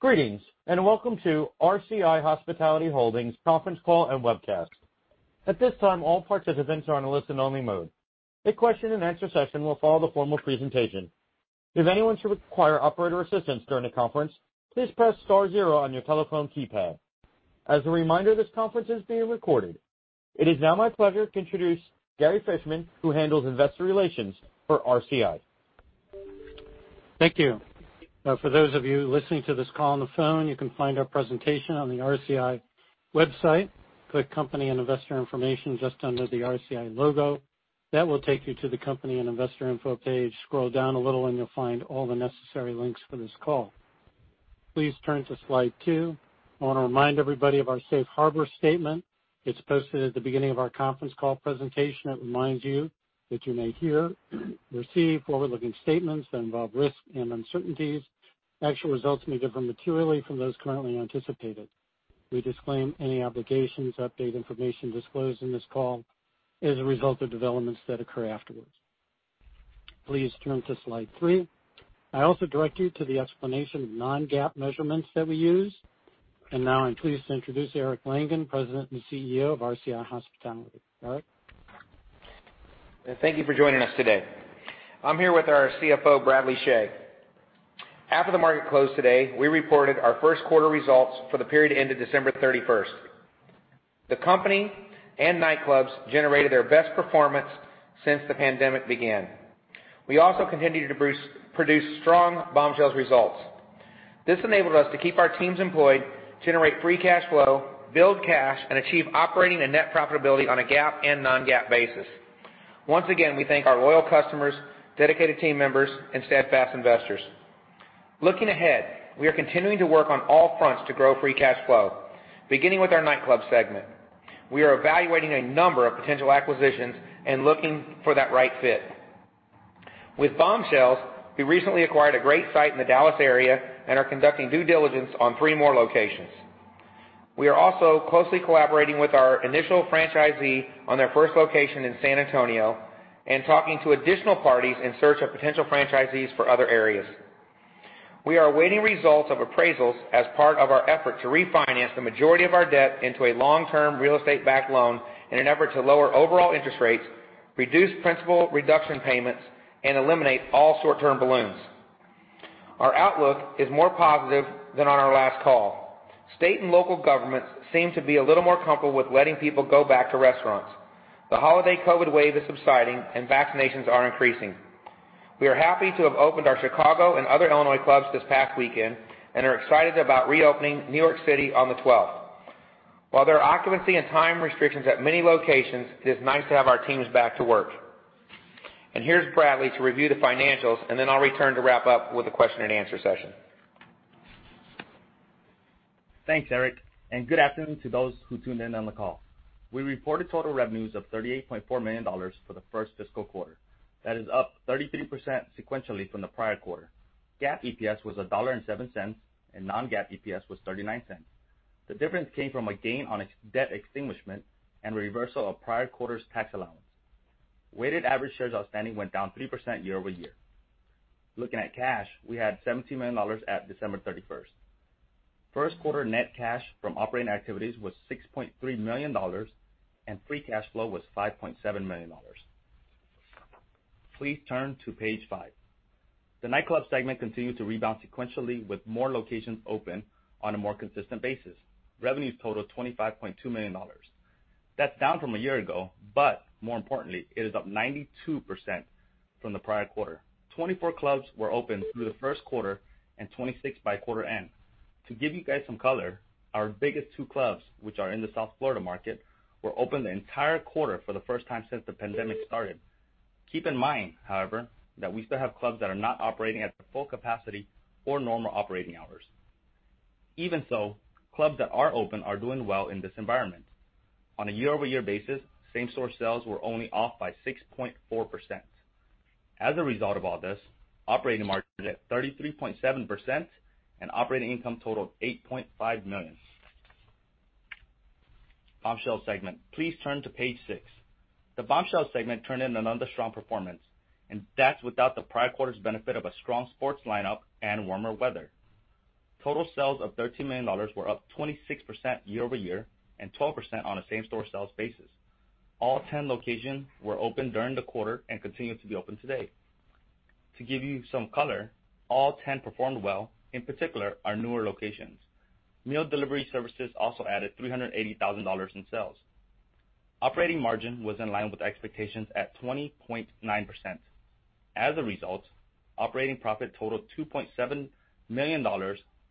Greetings, welcome to RCI Hospitality Holdings conference call and webcast. At this time, all participants are on a listen-only mode. A question and answer session will follow the formal presentation. If anyone should require operator assistance during the conference, please press star zero on your telephone keypad. As a reminder, this conference is being recorded. It is now my pleasure to introduce Gary Fishman, who handles investor relations for RCI. Thank you. Now, for those of you listening to this call on the phone, you can find our presentation on the RCI website. Click Company and Investor Information just under the RCI logo. That will take you to the Company and Investor Info page. Scroll down a little, and you'll find all the necessary links for this call. Please turn to slide two. I want to remind everybody of our safe harbor statement. It's posted at the beginning of our conference call presentation. It reminds you that you may hear, receive forward-looking statements that involve risks and uncertainties. Actual results may differ materially from those currently anticipated. We disclaim any obligations to update information disclosed in this call as a result of developments that occur afterwards. Please turn to slide three. I also direct you to the explanation of non-GAAP measurements that we use. Now I'm pleased to introduce Eric Langan, President and CEO of RCI Hospitality. Eric? Thank you for joining us today. I'm here with our CFO, Bradley Chhay. After the market closed today, we reported our first quarter results for the period ending December 31st. The company and nightclubs generated their best performance since the pandemic began. We also continued to produce strong Bombshells results. This enabled us to keep our teams employed, generate free cash flow, build cash, and achieve operating and net profitability on a GAAP and non-GAAP basis. Once again, we thank our loyal customers, dedicated team members, and steadfast investors. Looking ahead, we are continuing to work on all fronts to grow free cash flow, beginning with our nightclub segment. We are evaluating a number of potential acquisitions and looking for that right fit. With Bombshells, we recently acquired a great site in the Dallas area and are conducting due diligence on three more locations. We are also closely collaborating with our initial franchisee on their first location in San Antonio and talking to additional parties in search of potential franchisees for other areas. We are awaiting results of appraisals as part of our effort to refinance the majority of our debt into a long-term real estate-backed loan in an effort to lower overall interest rates, reduce principal reduction payments, and eliminate all short-term balloons. Our outlook is more positive than on our last call. State and local governments seem to be a little more comfortable with letting people go back to restaurants. The holiday COVID wave is subsiding, and vaccinations are increasing. We are happy to have opened our Chicago and other Illinois clubs this past weekend and are excited about reopening New York City on the 12th. While there are occupancy and time restrictions at many locations, it is nice to have our teams back to work. Here's Bradley to review the financials. I'll return to wrap up with a question and answer session. Thanks, Eric, and good afternoon to those who tuned in on the call. We reported total revenues of $38.4 million for the first fiscal quarter. That is up 33% sequentially from the prior quarter. GAAP EPS was $1.07, and non-GAAP EPS was $0.39. The difference came from a gain on debt extinguishment and reversal of prior quarter's tax allowance. Weighted average shares outstanding went down 3% year-over-year. Looking at cash, we had $17 million at December 31st. First quarter net cash from operating activities was $6.3 million, and free cash flow was $5.7 million. Please turn to page five. The nightclub segment continued to rebound sequentially with more locations open on a more consistent basis. Revenues totaled $25.2 million. That's down from a year ago, but more importantly, it is up 92% from the prior quarter. 24 clubs were open through the first quarter. 26 by quarter end. To give you guys some color, our biggest two clubs, which are in the South Florida market, were open the entire quarter for the first time since the pandemic started. Keep in mind, however, that we still have clubs that are not operating at their full capacity or normal operating hours. Clubs that are open are doing well in this environment. On a year-over-year basis, same-store sales were only off by 6.4%. As a result of all this, operating margin is at 33.7%. Operating income totaled $8.5 million. Bombshells segment. Please turn to page six. The Bombshells segment turned in another strong performance. That's without the prior quarter's benefit of a strong sports lineup and warmer weather. Total sales of $13 million were up 26% year-over-year and 12% on a same-store sales basis. All 10 locations were open during the quarter and continue to be open today. To give you some color, all 10 performed well, in particular, our newer locations. Meal delivery services also added $380,000 in sales. Operating margin was in line with expectations at 20.9%. As a result, operating profit totaled $2.7 million,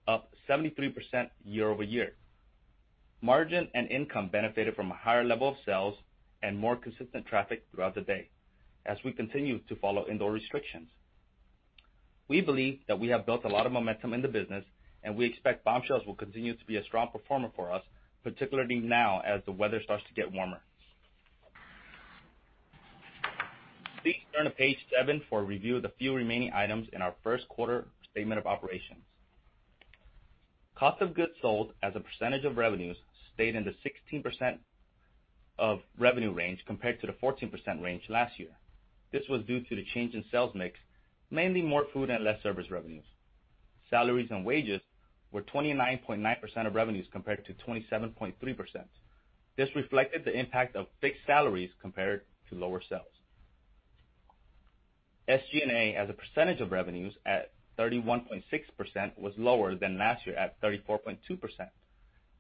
up 73% year-over-year. Margin and income benefited from a higher level of sales and more consistent traffic throughout the day as we continue to follow indoor restrictions. We believe that we have built a lot of momentum in the business, and we expect Bombshells will continue to be a strong performer for us, particularly now as the weather starts to get warmer. Please turn to page seven for a review of the few remaining items in our first quarter statement of operations. Cost of goods sold as a percentage of revenues stayed in the 16% of revenue range compared to the 14% range last year. This was due to the change in sales mix, mainly more food and less service revenues. Salaries and wages were 29.9% of revenues compared to 27.3%. This reflected the impact of fixed salaries compared to lower sales. SG&A as a percentage of revenues at 31.6% was lower than last year at 34.2%.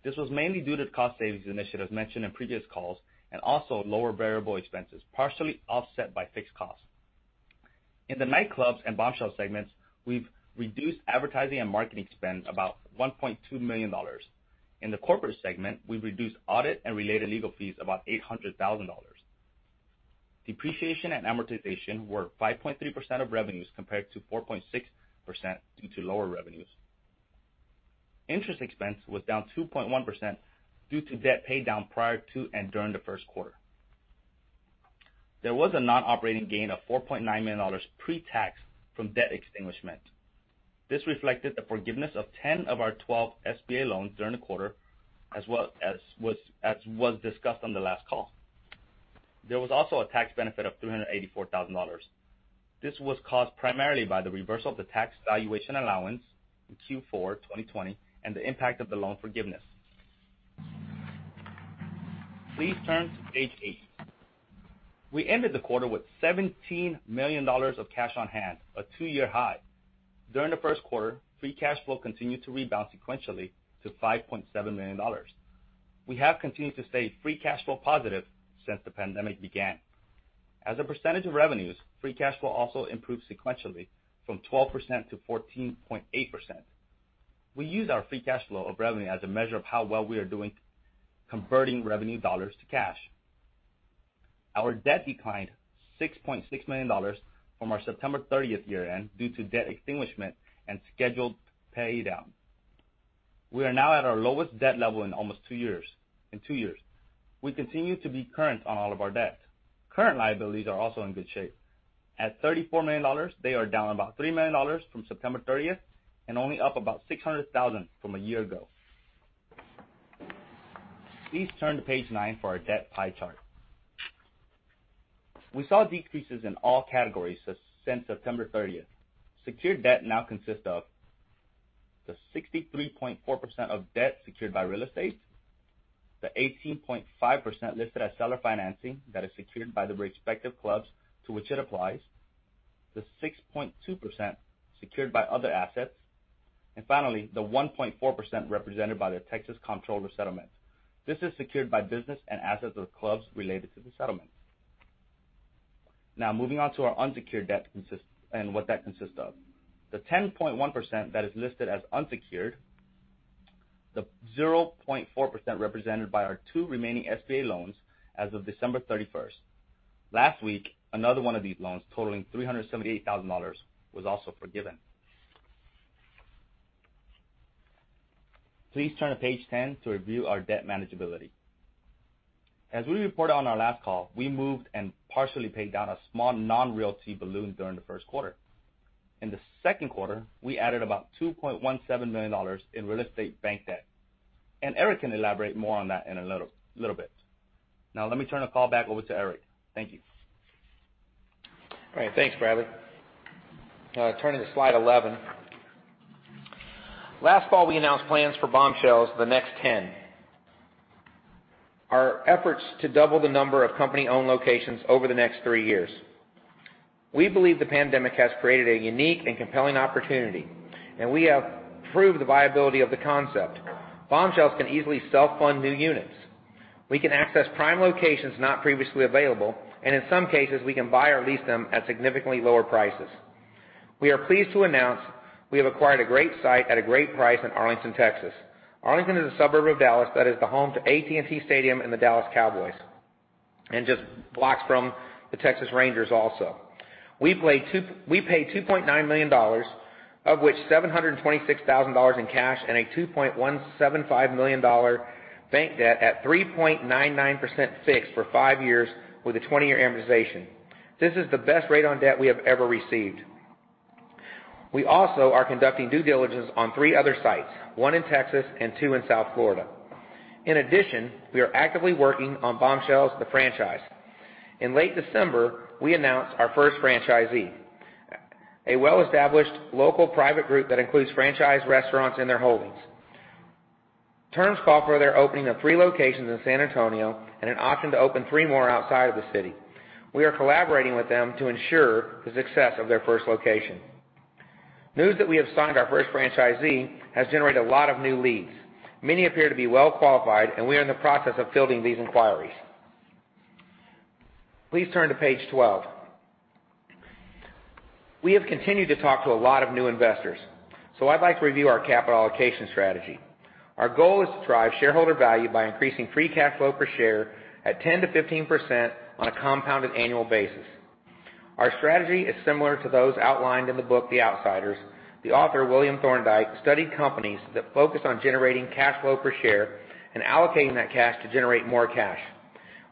This was mainly due to cost savings initiatives mentioned in previous calls, and also lower variable expenses, partially offset by fixed costs. In the nightclubs and Bombshells segments, we've reduced advertising and marketing spend about $1.2 million. In the corporate segment, we've reduced audit and related legal fees about $800,000. Depreciation and amortization were 5.3% of revenues compared to 4.6% due to lower revenues. Interest expense was down 2.1% due to debt paydown prior to and during the first quarter. There was a non-operating gain of $4.9 million pre-tax from debt extinguishment. This reflected the forgiveness of 10 of our 12 SBA loans during the quarter, as was discussed on the last call. There was also a tax benefit of $384,000. This was caused primarily by the reversal of the tax valuation allowance in Q4 2020 and the impact of the loan forgiveness. Please turn to page eight. We ended the quarter with $17 million of cash on hand, a two-year high. During the first quarter, free cash flow continued to rebound sequentially to $5.7 million. We have continued to stay free cash flow positive since the pandemic began. As a percentage of revenues, free cash flow also improved sequentially from 12%-14.8%. We use our free cash flow of revenue as a measure of how well we are doing converting revenue dollars to cash. Our debt declined $6.6 million from our September 30th year-end due to debt extinguishment and scheduled pay down. We are now at our lowest debt level in almost two years. We continue to be current on all of our debt. Current liabilities are also in good shape. At $34 million, they are down about $3 million from September 30th and only up about $600,000 from a year ago. Please turn to page nine for our debt pie chart. We saw decreases in all categories since September 30th. Secured debt now consists of the 63.4% of debt secured by real estate, the 18.5% listed as seller financing that is secured by the respective clubs to which it applies, the 6.2% secured by other assets, and finally, the 1.4% represented by the Texas Comptroller settlement. This is secured by business and assets of clubs related to the settlement. Now, moving on to our unsecured debt and what that consists of. The 10.1% that is listed as unsecured, the 0.4% represented by our two remaining SBA loans as of December 31st. Last week, another one of these loans totaling $378,000 was also forgiven. Please turn to page 10 to review our debt manageability. As we reported on our last call, we moved and partially paid down a small non-realty balloon during the first quarter. In the second quarter, we added about $2.17 million in real estate bank debt. Eric can elaborate more on that in a little bit. Now let me turn the call back over to Eric. Thank you. All right. Thanks, Bradley. Turning to slide 11. Last fall, we announced plans for Bombshells The Next 10. Our efforts to double the number of company-owned locations over the next three years. We believe the pandemic has created a unique and compelling opportunity, and we have proved the viability of the concept. Bombshells can easily self-fund new units. We can access prime locations not previously available, and in some cases, we can buy or lease them at significantly lower prices. We are pleased to announce we have acquired a great site at a great price in Arlington, Texas. Arlington is a suburb of Dallas that is the home to AT&T Stadium and the Dallas Cowboys, and just blocks from the Texas Rangers also. We paid $2.9 million, of which $726,000 in cash and a $2.175 million bank debt at 3.99% fixed for five years with a 20-year amortization. This is the best rate on debt we have ever received. We also are conducting due diligence on three other sites, one in Texas and two in South Florida. In addition, we are actively working on Bombshells The Franchise. In late December, we announced our first franchisee, a well-established local private group that includes franchise restaurants in their holdings. Terms call for their opening of three locations in San Antonio and an option to open three more outside of the city. We are collaborating with them to ensure the success of their first location. News that we have signed our first franchisee has generated a lot of new leads. Many appear to be well-qualified, and we are in the process of fielding these inquiries. Please turn to page 12. We have continued to talk to a lot of new investors, so I'd like to review our capital allocation strategy. Our goal is to drive shareholder value by increasing free cash flow per share at 10%-15% on a compounded annual basis. Our strategy is similar to those outlined in the book, "The Outsiders." The author, William Thorndike, studied companies that focus on generating cash flow per share and allocating that cash to generate more cash.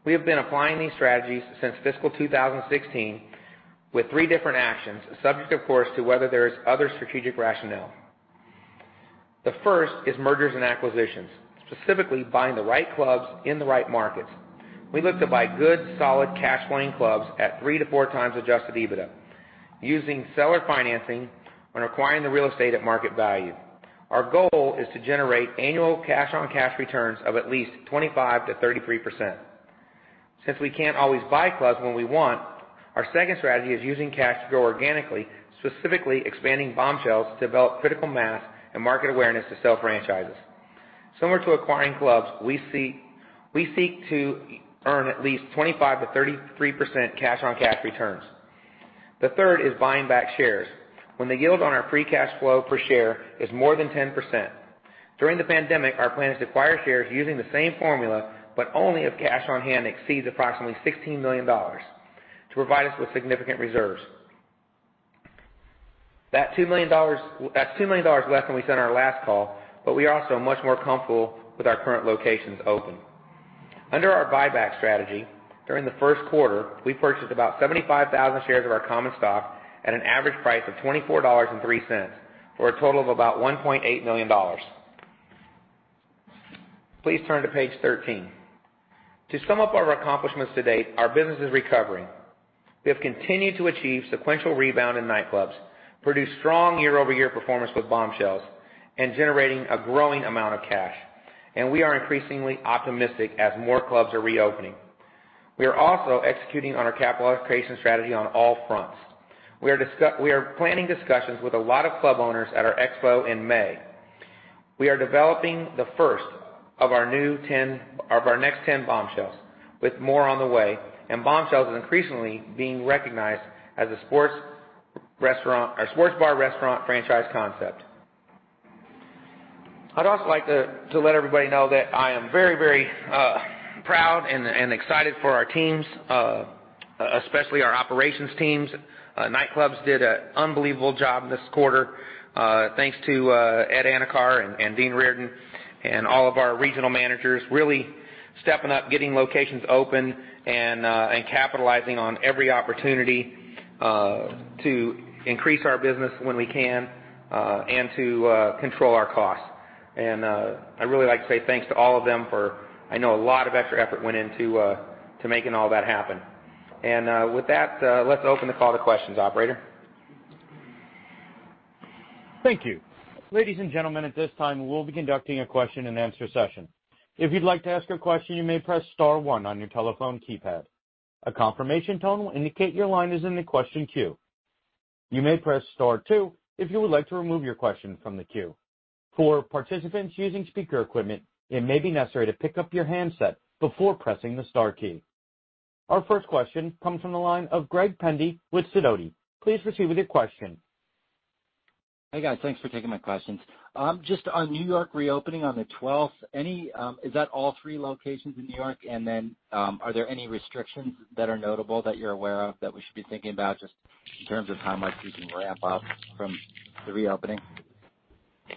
We have been applying these strategies since fiscal 2016 with three different actions, subject, of course, to whether there is other strategic rationale. The first is mergers and acquisitions, specifically buying the right clubs in the right markets. We look to buy good, solid cash-flowing clubs at 3-4x adjusted EBITDA, using seller financing when acquiring the real estate at market value. Our goal is to generate annual cash-on-cash returns of at least 25%-33%. Since we can't always buy clubs when we want, our second strategy is using cash to grow organically, specifically expanding Bombshells to develop critical mass and market awareness to sell franchises. Similar to acquiring clubs, we seek to earn at least 25%-33% cash-on-cash returns. The third is buying back shares, when the yield on our free cash flow per share is more than 10%. During the pandemic, our plan is to acquire shares using the same formula, but only if cash on hand exceeds approximately $16 million, to provide us with significant reserves. That's $2 million less than we said on our last call, but we are also much more comfortable with our current locations open. Under our buyback strategy, during the first quarter, we purchased about 75,000 shares of our common stock at an average price of $24.03, for a total of about $1.8 million. Please turn to page 13. To sum up our accomplishments to date, our business is recovering. We have continued to achieve sequential rebound in nightclubs, produce strong year-over-year performance with Bombshells, and generating a growing amount of cash. We are increasingly optimistic as more clubs are reopening. We are also executing on our capital allocation strategy on all fronts. We are planning discussions with a lot of club owners at our expo in May. We are developing the first of our next 10 Bombshells, with more on the way, and Bombshells is increasingly being recognized as a sports bar restaurant franchise concept. I'd also like to let everybody know that I am very proud and excited for our teams, especially our operations teams. Nightclubs did an unbelievable job this quarter. Thanks to Ed Anakar and Dean Reardon, and all of our regional managers, really stepping up, getting locations open, and capitalizing on every opportunity to increase our business when we can, and to control our costs. I'd really like to say thanks to all of them for I know a lot of extra effort went into making all that happen. With that, let's open the call to questions. Operator? Thank you. Ladies and Gentlemen at this time we will be conducting a question-and-answer session. If you'd like to ask a question you may press star one on your telephone keypad. A confirmation tone in your line is in the question queue. You may press star two if you would like to remove your question from the queue. For participants using speaker equipment and may necessary to pick up your headset before pressing the star key. Our first question comes from the line of Greg Pendy with Sidoti. Please proceed with your question. Hey, guys. Thanks for taking my questions. Just on New York reopening on the 12th, is that all three locations in New York? Are there any restrictions that are notable that you're aware of that we should be thinking about just in terms of how much you can ramp up from the reopening?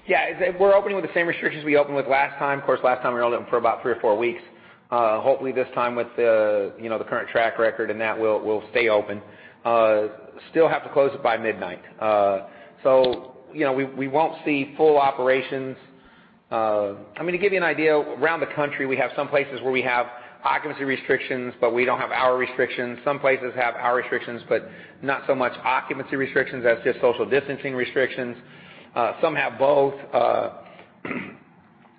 Yeah. We're opening with the same restrictions we opened with last time. Of course, last time we were only open for about three or four weeks. Hopefully this time with the current track record and that, we'll stay open. Still have to close it by midnight. We won't see full operations. To give you an idea, around the country, we have some places where we have occupancy restrictions, but we don't have hour restrictions. Some places have hour restrictions, but not so much occupancy restrictions as just social distancing restrictions. Some have both.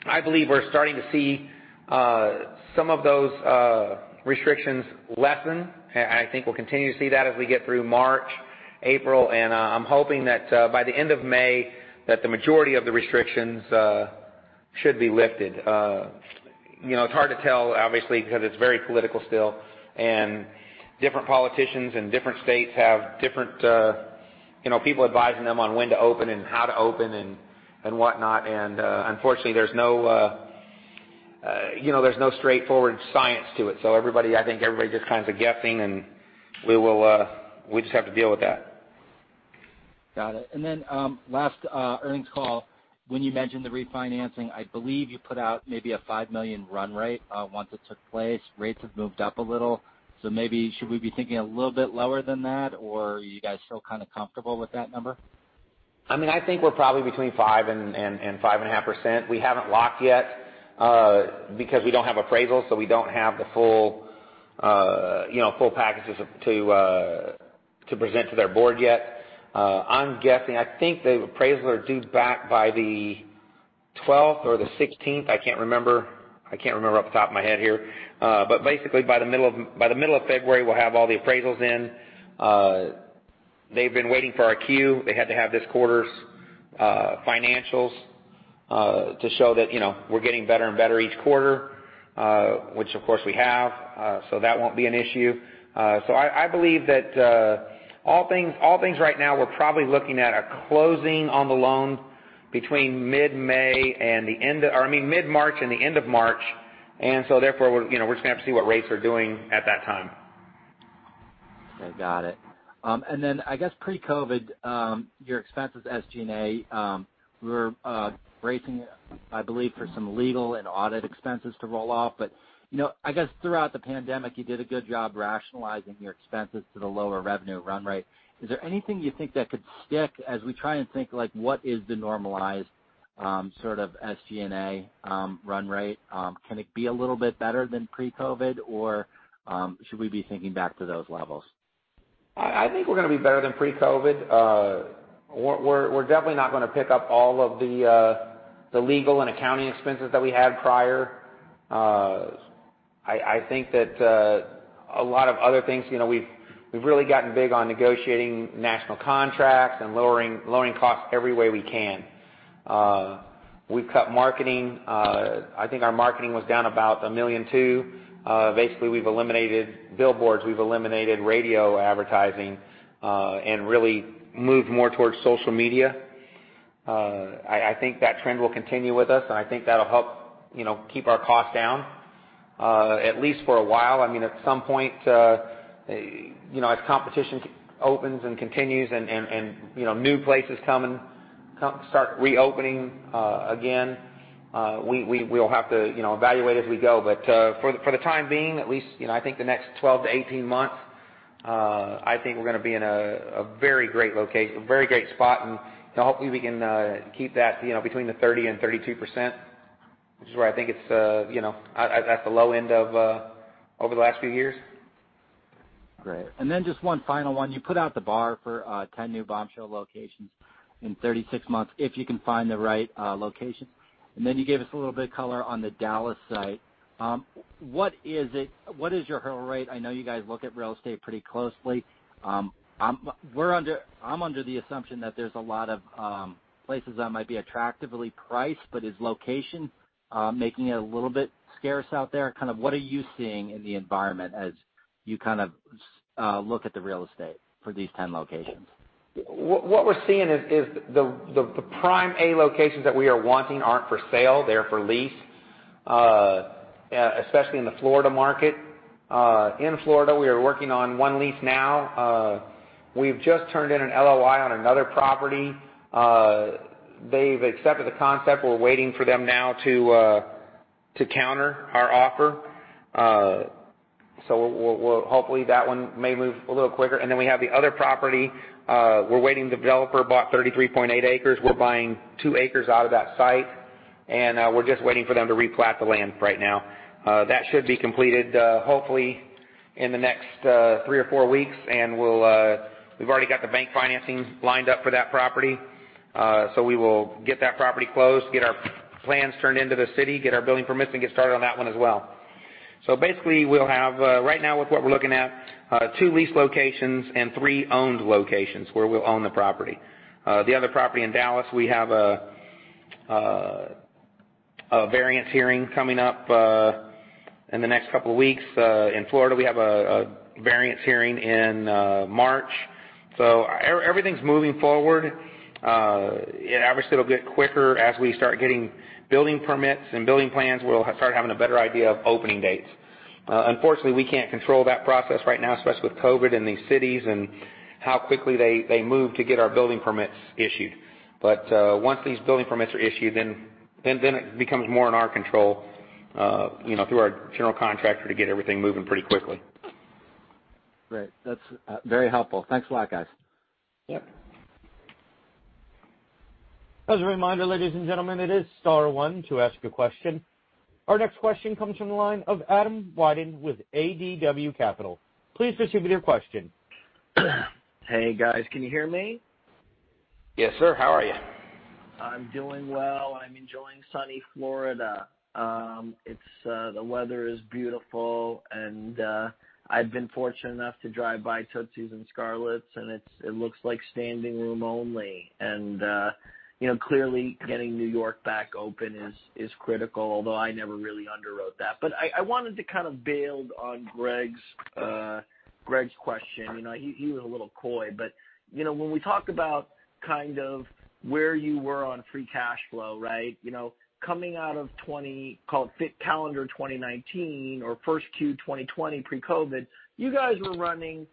I believe we're starting to see some of those restrictions lessen. I think we'll continue to see that as we get through March, April, and I'm hoping that by the end of May, that the majority of the restrictions should be lifted. It's hard to tell, obviously, because it's very political still, and different politicians in different states have different people advising them on when to open and how to open and whatnot, and unfortunately, there's no straightforward science to it. I think everybody's just kind of guessing, and we just have to deal with that. Got it. Last earnings call, when you mentioned the refinancing, I believe you put out maybe a $5 million run rate, once it took place. Rates have moved up a little. Maybe should we be thinking a little bit lower than that, or are you guys still kind of comfortable with that number? I think we're probably between 5% and 5.5%. We haven't locked yet, because we don't have appraisals, so we don't have the full packages to present to their board yet. I'm guessing, I think the appraisals are due back by the 12th or the 16th. I can't remember off the top of my head here. Basically, by the middle of February, we'll have all the appraisals in. They've been waiting for our queue. They had to have this quarter's financials to show that we're getting better and better each quarter, which of course, we have. That won't be an issue. I believe that all things right now, we're probably looking at a closing on the loan between mid March and the end of March. Therefore, we're just going to have to see what rates are doing at that time. Okay. Got it. I guess pre-COVID, your expenses, SG&A, were raising, I believe for some legal and audit expenses to roll off. I guess throughout the pandemic, you did a good job rationalizing your expenses to the lower revenue run rate. Is there anything you think that could stick as we try and think, what is the normalized sort of SG&A run rate? Can it be a little bit better than pre-COVID, or should we be thinking back to those levels? I think we're going to be better than pre-COVID. We're definitely not going to pick up all of the legal and accounting expenses that we had prior. I think that a lot of other things, we've really gotten big on negotiating national contracts and lowering costs every way we can. We've cut marketing. I think our marketing was down about $1.2 million. Basically, we've eliminated billboards, we've eliminated radio advertising, and really moved more towards social media. I think that trend will continue with us, and I think that'll help keep our costs down, at least for a while. At some point, as competition opens and continues and new places come and start reopening again, we'll have to evaluate as we go. For the time being, at least I think the next 12-18 months, I think we're going to be in a very great spot, and hopefully we can keep that between 30% and 32%, which is where I think it's at the low end of over the last few years. Great. Just one final one. You put out the bar for 10 new Bombshells locations in 36 months if you can find the right locations. You gave us a little bit of color on the Dallas site. What is your hurdle rate? I know you guys look at real estate pretty closely. I'm under the assumption that there's a lot of places that might be attractively priced, but is location making it a little bit scarce out there? What are you seeing in the environment as you look at the real estate for these 10 locations? What we're seeing is the prime A locations that we are wanting aren't for sale, they are for lease, especially in the Florida market. In Florida, we are working on one lease now. We've just turned in an LOI on another property. They've accepted the concept. We're waiting for them now to counter our offer. Hopefully, that one may move a little quicker. Then we have the other property. We're waiting, the developer bought 33.8 acres. We're buying two acres out of that site, we're just waiting for them to replat the land right now. That should be completed, hopefully, in the next three or four weeks, we've already got the bank financing lined up for that property. We will get that property closed, get our plans turned into the city, get our building permits, and get started on that one as well. Basically, we'll have, right now with what we're looking at, two leased locations and three owned locations where we'll own the property. The other property in Dallas, we have a variance hearing coming up in the next couple of weeks. In Florida, we have a variance hearing in March. Everything's moving forward. Obviously, it'll get quicker as we start getting building permits and building plans. We'll start having a better idea of opening dates. Unfortunately, we can't control that process right now, especially with COVID in these cities and how quickly they move to get our building permits issued. Once these building permits are issued, then it becomes more in our control through our general contractor to get everything moving pretty quickly. Great. That's very helpful. Thanks a lot, guys. Yep. As a reminder, ladies and gentlemen, it is star one to ask a question. Our next question comes from the line of Adam Wyden with ADW Capital. Please proceed with your question. Hey, guys. Can you hear me? Yes, sir. How are you? I'm doing well. I'm enjoying sunny Florida. The weather is beautiful, and I've been fortunate enough to drive by Tootsie's and Scarlett's, and it looks like standing room only. Clearly, getting New York back open is critical, although I never really underwrote that. I wanted to build on Greg's question. He was a little coy, but when we talked about where you were on free cash flow, coming out of calendar 2019 or first Q 2020 pre-COVID, you guys were running,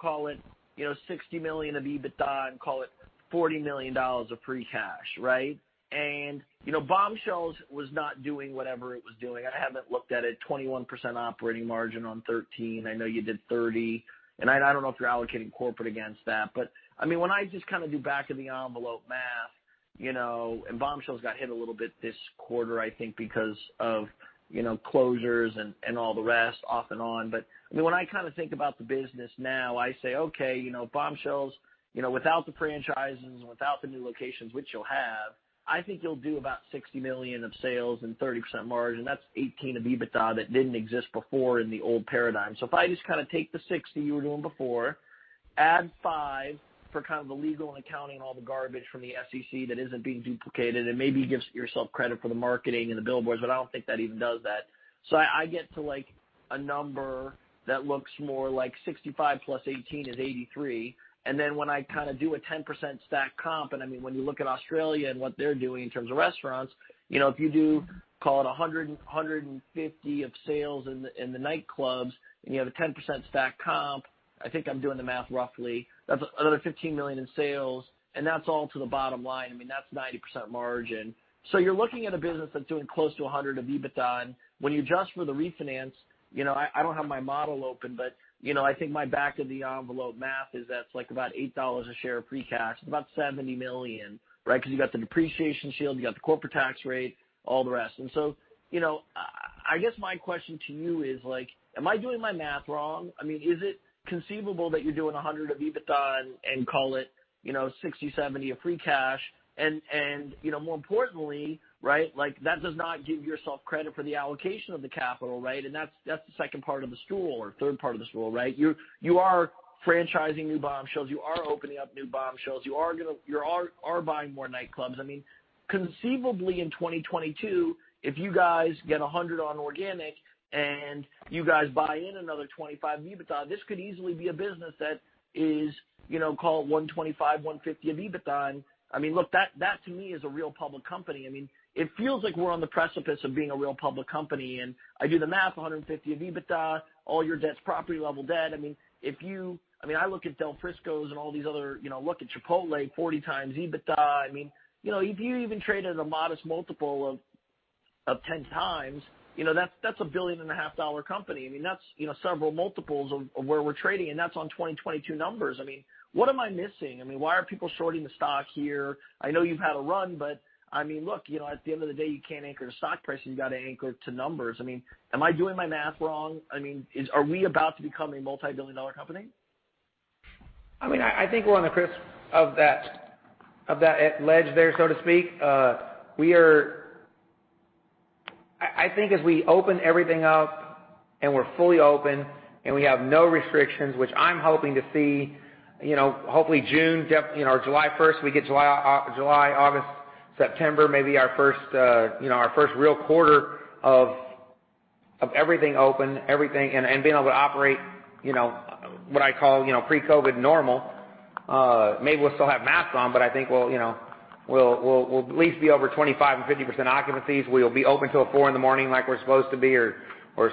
call it $60 million of EBITDA and call it $40 million of free cash. Bombshells was not doing whatever it was doing. I haven't looked at it, 21% operating margin on 13. I know you did 30. I don't know if you're allocating corporate against that. When I just do back of the envelope math, Bombshells got hit a little bit this quarter, I think because of closures and all the rest off and on. When I think about the business now, I say, okay, Bombshells, without the franchises and without the new locations, which you'll have, I think you'll do about $60 million of sales and 30% margin. That's $18 million of EBITDA that didn't exist before in the old paradigm. If I just take the $6 million that you were doing before, add $5 million for the legal and accounting, all the garbage from the SEC that isn't being duplicated, maybe give yourself credit for the marketing and the billboards, I don't think that even does that. I get to a number that looks more like 65+18 is 83. Then when I do a 10% stacked comp, and when you look at Australia and what they're doing in terms of restaurants, if you do call it 150 of sales in the nightclubs and you have a 10% stacked comp, I think I'm doing the math roughly, that's another $15 million in sales, and that's all to the bottom line. That's 90% margin. You're looking at a business that's doing close to $100 of EBITDA. When you adjust for the refinance, I don't have my model open, but I think my back of the envelope math is that's about $8 a share of free cash. It's about $70 million. Because you've got the depreciation shield, you've got the corporate tax rate, all the rest. I guess my question to you is, am I doing my math wrong? Is it conceivable that you're doing $100 of EBITDA and call it $60, $70 of free cash? More importantly, that does not give yourself credit for the allocation of the capital, right? That's the second part of the stool, or third part of the stool. You are franchising new Bombshells. You are opening up new Bombshells. You are buying more nightclubs. Conceivably, in 2022, if you guys get $100 on organic and you guys buy in another $25 of EBITDA, this could easily be a business that is, call it $125, $150 of EBITDA. Look, that to me is a real public company. It feels like we're on the precipice of being a real public company, and I do the math, $150 of EBITDA, all your debt's property level debt. I look at Del Frisco's and all these other Look at Chipotle, 40x EBITDA. If you even trade at a modest multiple of 10 times, that's a billion and a half dollar company. That's several multiples of where we're trading, and that's on 2022 numbers. What am I missing? Why are people shorting the stock here? I know you've had a run. Look, at the end of the day, you can't anchor to stock price. You've got to anchor to numbers. Am I doing my math wrong? Are we about to become a multibillion-dollar company? I think we're on the cusp of that ledge there, so to speak. I think as we open everything up and we're fully open and we have no restrictions, which I'm hoping to see, hopefully June, July 1st, we get July, August, September, maybe our first real quarter of everything open, everything, and being able to operate, what I call, pre-COVID normal. Maybe we'll still have masks on, but I think we'll at least be over 25% and 50% occupancies. We'll be open till 4:00 in the morning like we're supposed to be, or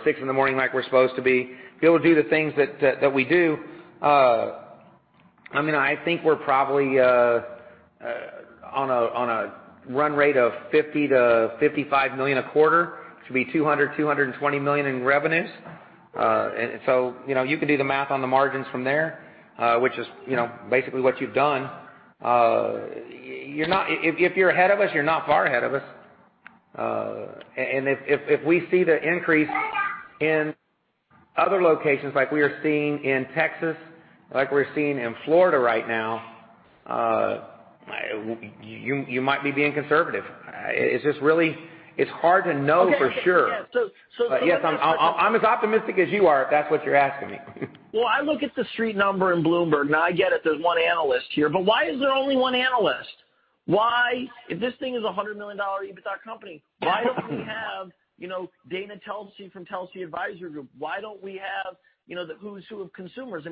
6:00 in the morning like we're supposed to be. Be able to do the things that we do. I think we're probably on a run rate of $50 million-$55 million a quarter. Should be $200 million-$220 million in revenues. You can do the math on the margins from there, which is basically what you've done. If you're ahead of us, you're not far ahead of us. If we see the increase in other locations like we are seeing in Texas, like we're seeing in Florida right now, you might be being conservative. It's just really, it's hard to know for sure. Okay. Yeah. Yes, I'm as optimistic as you are, if that's what you're asking me. Well, I look at the street number in Bloomberg. Now, I get it, there's one analyst here, but why is there only one analyst? Why, if this thing is a $100 million EBITDA company, why don't we have Dana Telsey from Telsey Advisory Group? Why don't we have the who's who of consumers?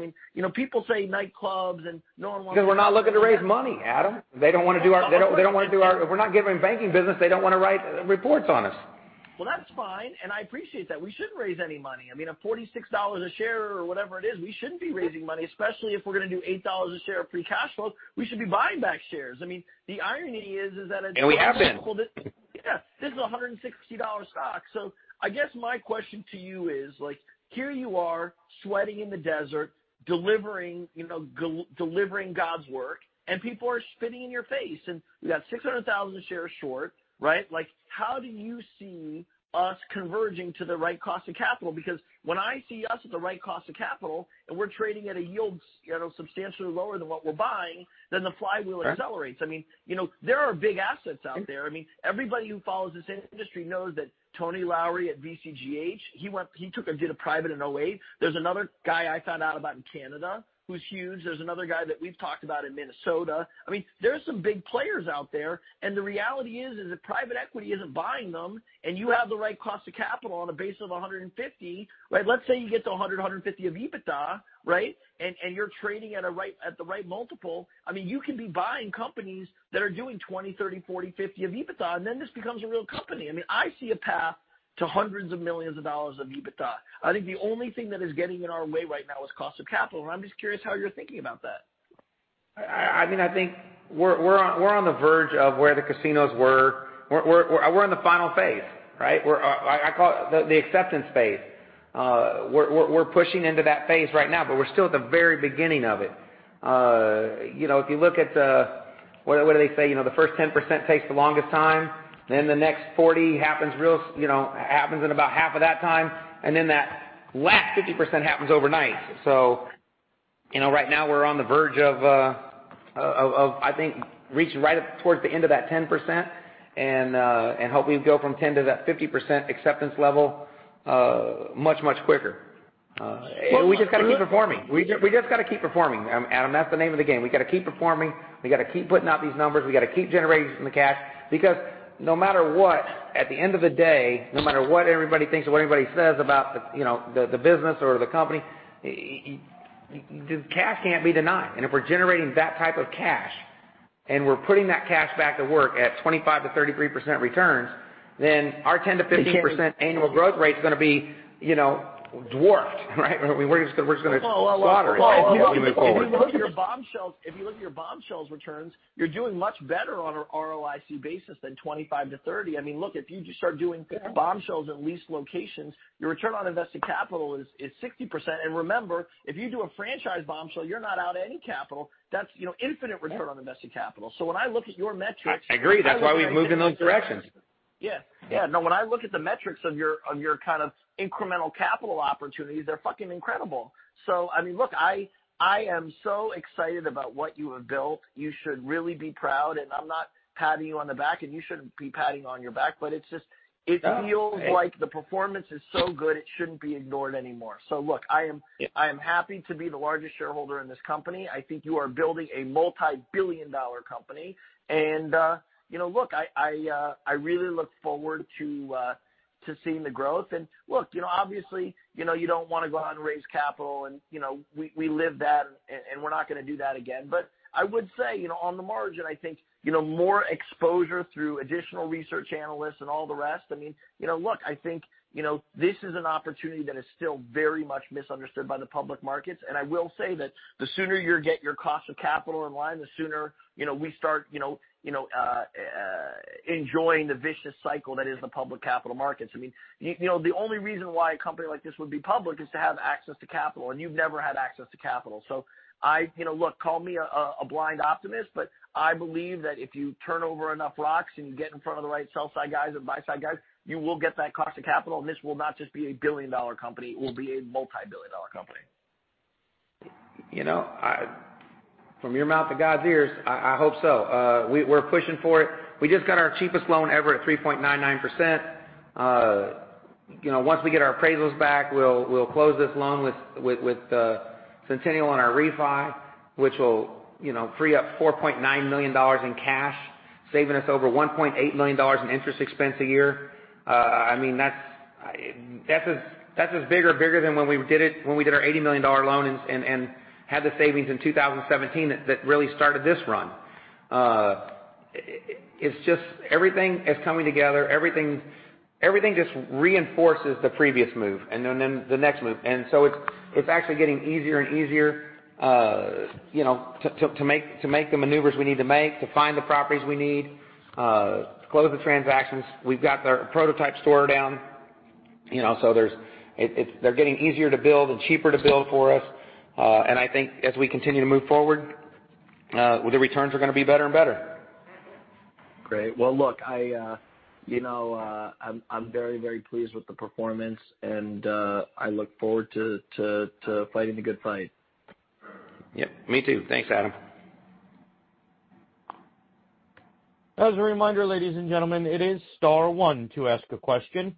People say nightclubs and no one wants. We're not looking to raise money, Adam. If we're not giving banking business, they don't want to write reports on us. Well, that's fine, and I appreciate that. We shouldn't raise any money. At $46 a share or whatever it is, we shouldn't be raising money, especially if we're going to do $8 a share of free cash flow. We should be buying back shares. The irony is that it's. we have been. This is $160 stock. I guess my question to you is, here you are sweating in the desert, delivering God's work, and people are spitting in your face. We got 600,000 shares short. How do you see us converging to the right cost of capital? When I see us at the right cost of capital and we're trading at a yield substantially lower than what we're buying, then the flywheel accelerates. There are big assets out there. Everybody who follows this industry knows that Troy Lowrie at VCGH, he did a private in 2008. There's another guy I found out about in Canada who's huge. There's another guy that we've talked about in Minnesota. There's some big players out there, and the reality is if private equity isn't buying them and you have the right cost of capital on a base of 150. Let's say you get to $100, $150 of EBITDA, and you're trading at the right multiple. You can be buying companies that are doing $20, $30, $40, $50 of EBITDA, and then this becomes a real company. I see a path to hundreds of millions of dollars of EBITDA. I think the only thing that is getting in our way right now is cost of capital, and I'm just curious how you're thinking about that. I think we're on the verge of where the casinos were. We're in the final phase. I call it the acceptance phase. We're pushing into that phase right now. We're still at the very beginning of it. If you look at what do they say? The first 10% takes the longest time. The next 40% happens in about half of that time. That last 50% happens overnight. Right now we're on the verge of, I think, reaching right up towards the end of that 10%. Hopefully go from 10% to that 50% acceptance level much, much quicker. We just got to keep performing, Adam. That's the name of the game. We got to keep performing. We got to keep putting out these numbers. We got to keep generating some cash because no matter what, at the end of the day, no matter what everybody thinks or what anybody says about the business or the company, cash can't be denied. If we're generating that type of cash, and we're putting that cash back to work at 25%-33% returns, then our 10%-15% annual growth rate's going to be dwarfed, right? We're just going to slaughter it as we move forward. Well, look, if you look at your Bombshells returns, you're doing much better on an ROIC basis than 25%-30%. Look, if you just start doing Bombshells at leased locations, your return on invested capital is 60%. Remember, if you do a franchise Bombshell, you're not out any capital. That's infinite return on invested capital. When I look at your metrics. I agree. That's why we've moved in those directions. Yeah. No, when I look at the metrics of your kind of incremental capital opportunities, they're fucking incredible. Look, I am so excited about what you have built. You should really be proud, and I'm not patting you on the back, and you shouldn't be patting on your back, but it's just, it feels like the performance is so good it shouldn't be ignored anymore. Look, I am happy to be the largest shareholder in this company. I think you are building a multi-billion dollar company. Look, I really look forward to seeing the growth. Look, obviously, you don't want to go out and raise capital, and we lived that, and we're not going to do that again. I would say, on the margin, I think, more exposure through additional research analysts and all the rest. Look, I think this is an opportunity that is still very much misunderstood by the public markets. I will say that the sooner you get your cost of capital in line, the sooner we start enjoying the vicious cycle that is the public capital markets. The only reason why a company like this would be public is to have access to capital, and you've never had access to capital. Look, call me a blind optimist, but I believe that if you turn over enough rocks and you get in front of the right sell-side guys and buy-side guys, you will get that cost of capital, and this will not just be a billion-dollar company; it will be a multi-billion dollar company. From your mouth to God's ears. I hope so. We're pushing for it. We just got our cheapest loan ever at 3.99%. Once we get our appraisals back, we'll close this loan with Centennial on our refi, which will free up $4.9 million in cash, saving us over $1.8 million in interest expense a year. That is bigger than when we did our $80 million loan and had the savings in 2017 that really started this run. It's just everything is coming together. Everything just reinforces the previous move and then the next move. It's actually getting easier and easier to make the maneuvers we need to make, to find the properties we need, to close the transactions. We've got the prototype store down. They're getting easier to build and cheaper to build for us. I think as we continue to move forward, the returns are going to be better and better. Great. Well, look, I'm very pleased with the performance, and I look forward to fighting the good fight. Yep, me too. Thanks, Adam. As a reminder, ladies and gentlemen, it is star one to ask a question.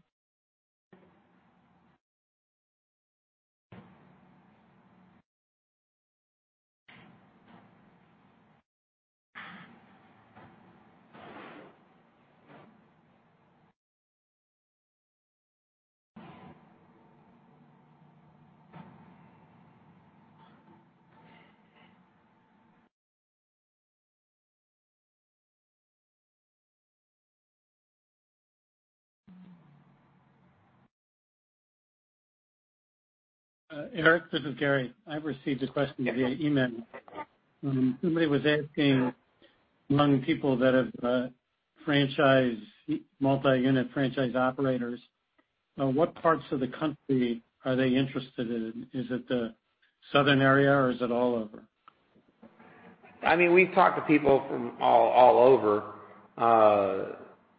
Eric, this is Gary. I've received a question via email. Somebody was asking among people that have multi-unit franchise operators, what parts of the country are they interested in? Is it the southern area, or is it all over? We've talked to people from all over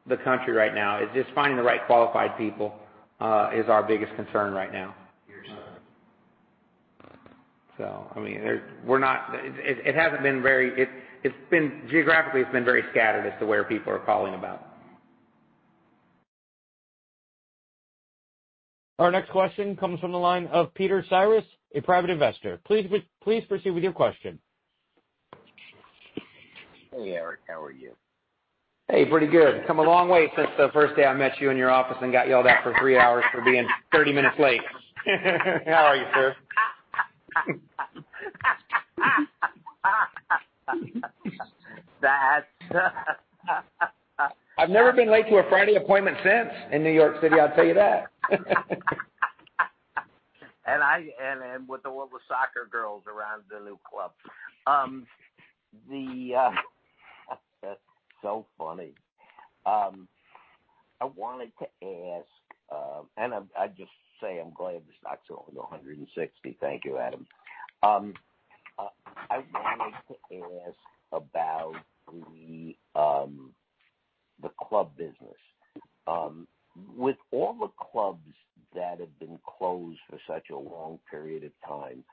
the country right now. It's just finding the right qualified people is our biggest concern right now. Sure. Geographically, it's been very scattered as to where people are calling about. Our next question comes from the line of Peter Cyrus, a private investor. Please proceed with your question. Hey, Eric. How are you? Hey, pretty good. Come a long way since the first day I met you in your office and got yelled at for three hours for being 30 minutes late. How are you, sir? I've never been late to a Friday appointment since in New York City, I'll tell you that. With all the soccer girls around the new club. That's so funny. I wanted to ask, and I'd just say I'm glad the stocks are only 160. Thank you, Adam. I wanted to ask about the club business. With all the clubs that have been closed for such a long period of time,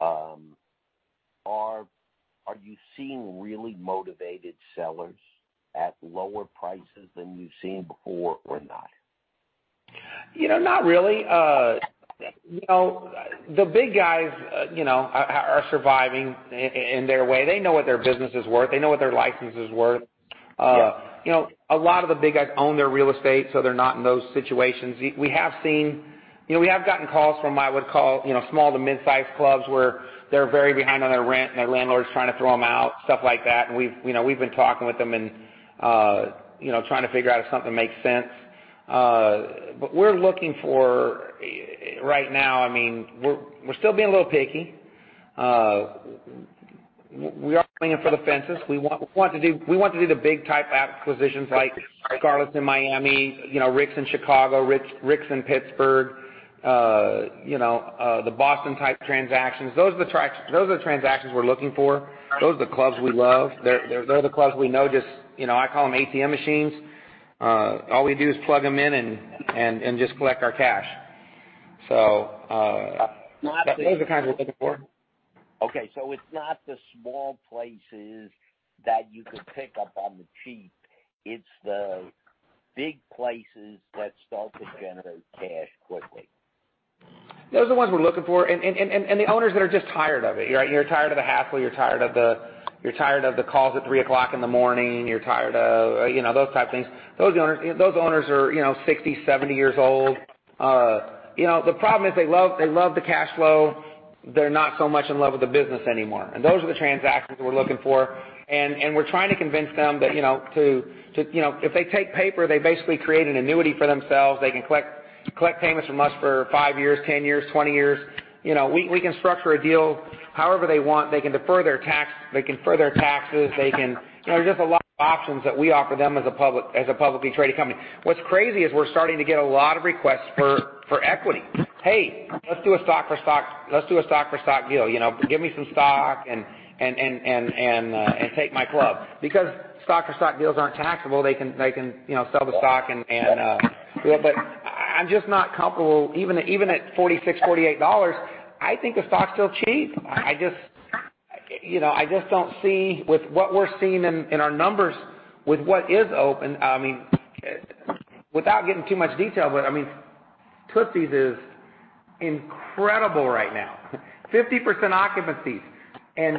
are you seeing really motivated sellers at lower prices than you've seen before or not? Not really. The big guys are surviving in their way. They know what their business is worth. They know what their license is worth. Yeah. A lot of the big guys own their real estate, so they're not in those situations. We have gotten calls from, I would call, small to mid-size clubs where they're very behind on their rent, and their landlord's trying to throw them out, stuff like that. We've been talking with them and trying to figure out if something makes sense. Right now, we're still being a little picky. We are swinging for the fences. We want to do the big-type acquisitions like Scarlett's in Miami, Rick's in Chicago, Rick's in Pittsburgh, the Boston-type transactions. Those are the transactions we're looking for. Those are the clubs we love. They're the clubs we know just, I call them ATM machines. All we do is plug them in and just collect our cash. Those are the kinds we're looking for. Okay. It's not the small places that you could pick up on the cheap. It's the big places that start to generate cash quickly. Those are the ones we're looking for. The owners that are just tired of it. You're tired of the hassle, you're tired of the calls at 3:00 in the morning. You're tired of those type of things. Those owners are 60, 70 years old. The problem is they love the cash flow. They're not so much in love with the business anymore. Those are the transactions we're looking for. We're trying to convince them that if they take paper, they basically create an annuity for themselves. They can collect payments from us for five years, 10 years, 20 years. We can structure a deal however they want. They can defer their taxes. There's just a lot of options that we offer them as a publicly traded company. What's crazy is we're starting to get a lot of requests for equity. Hey, let's do a stock for stock deal. Give me some stock and take my club. Stock for stock deals aren't taxable. I'm just not comfortable, even at $46, $48, I think the stock's still cheap. I just don't see with what we're seeing in our numbers with what is open. Without getting too much detail, but Tootsie's is incredible right now, 50% occupancy and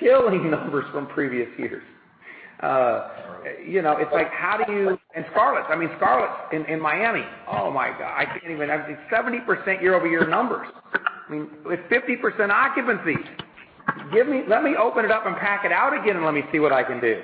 killing numbers from previous years. Right. Scarlett's in Miami. Oh my God. 70% year-over-year numbers. With 50% occupancy. Let me open it up and pack it out again, and let me see what I can do.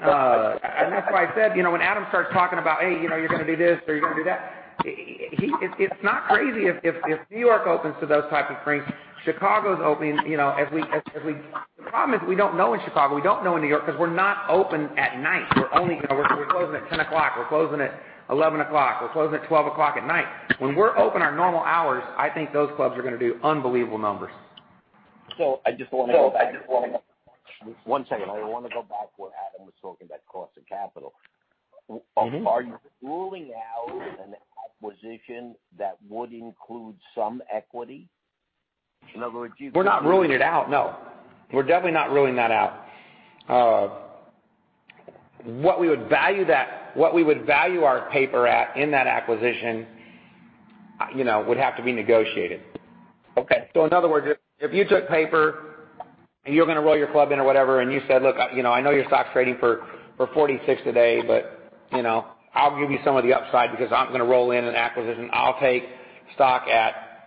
That's why I said, when Adam starts talking about, "Hey, you're going to do this or you're going to do that," it's not crazy if New York opens to those type of frames, Chicago is opening. The problem is we don't know in Chicago, we don't know in New York, because we're not open at night. We're closing at 10:00 P.M., we're closing at 11:00 P.M., we're closing at 12:00 A.M. at night. When we're open our normal hours, I think those clubs are going to do unbelievable numbers. One second. I want to go back to what Adam was talking about cost of capital. Are you ruling out an acquisition that would include some equity? We're not ruling it out, no. We're definitely not ruling that out. What we would value our paper at in that acquisition would have to be negotiated. Okay. In other words, if you took paper and you're going to roll your club in or whatever, and you said, "Look, I know your stock's trading for $46 today, but I'll give you some of the upside because I'm going to roll in an acquisition. I'll take stock at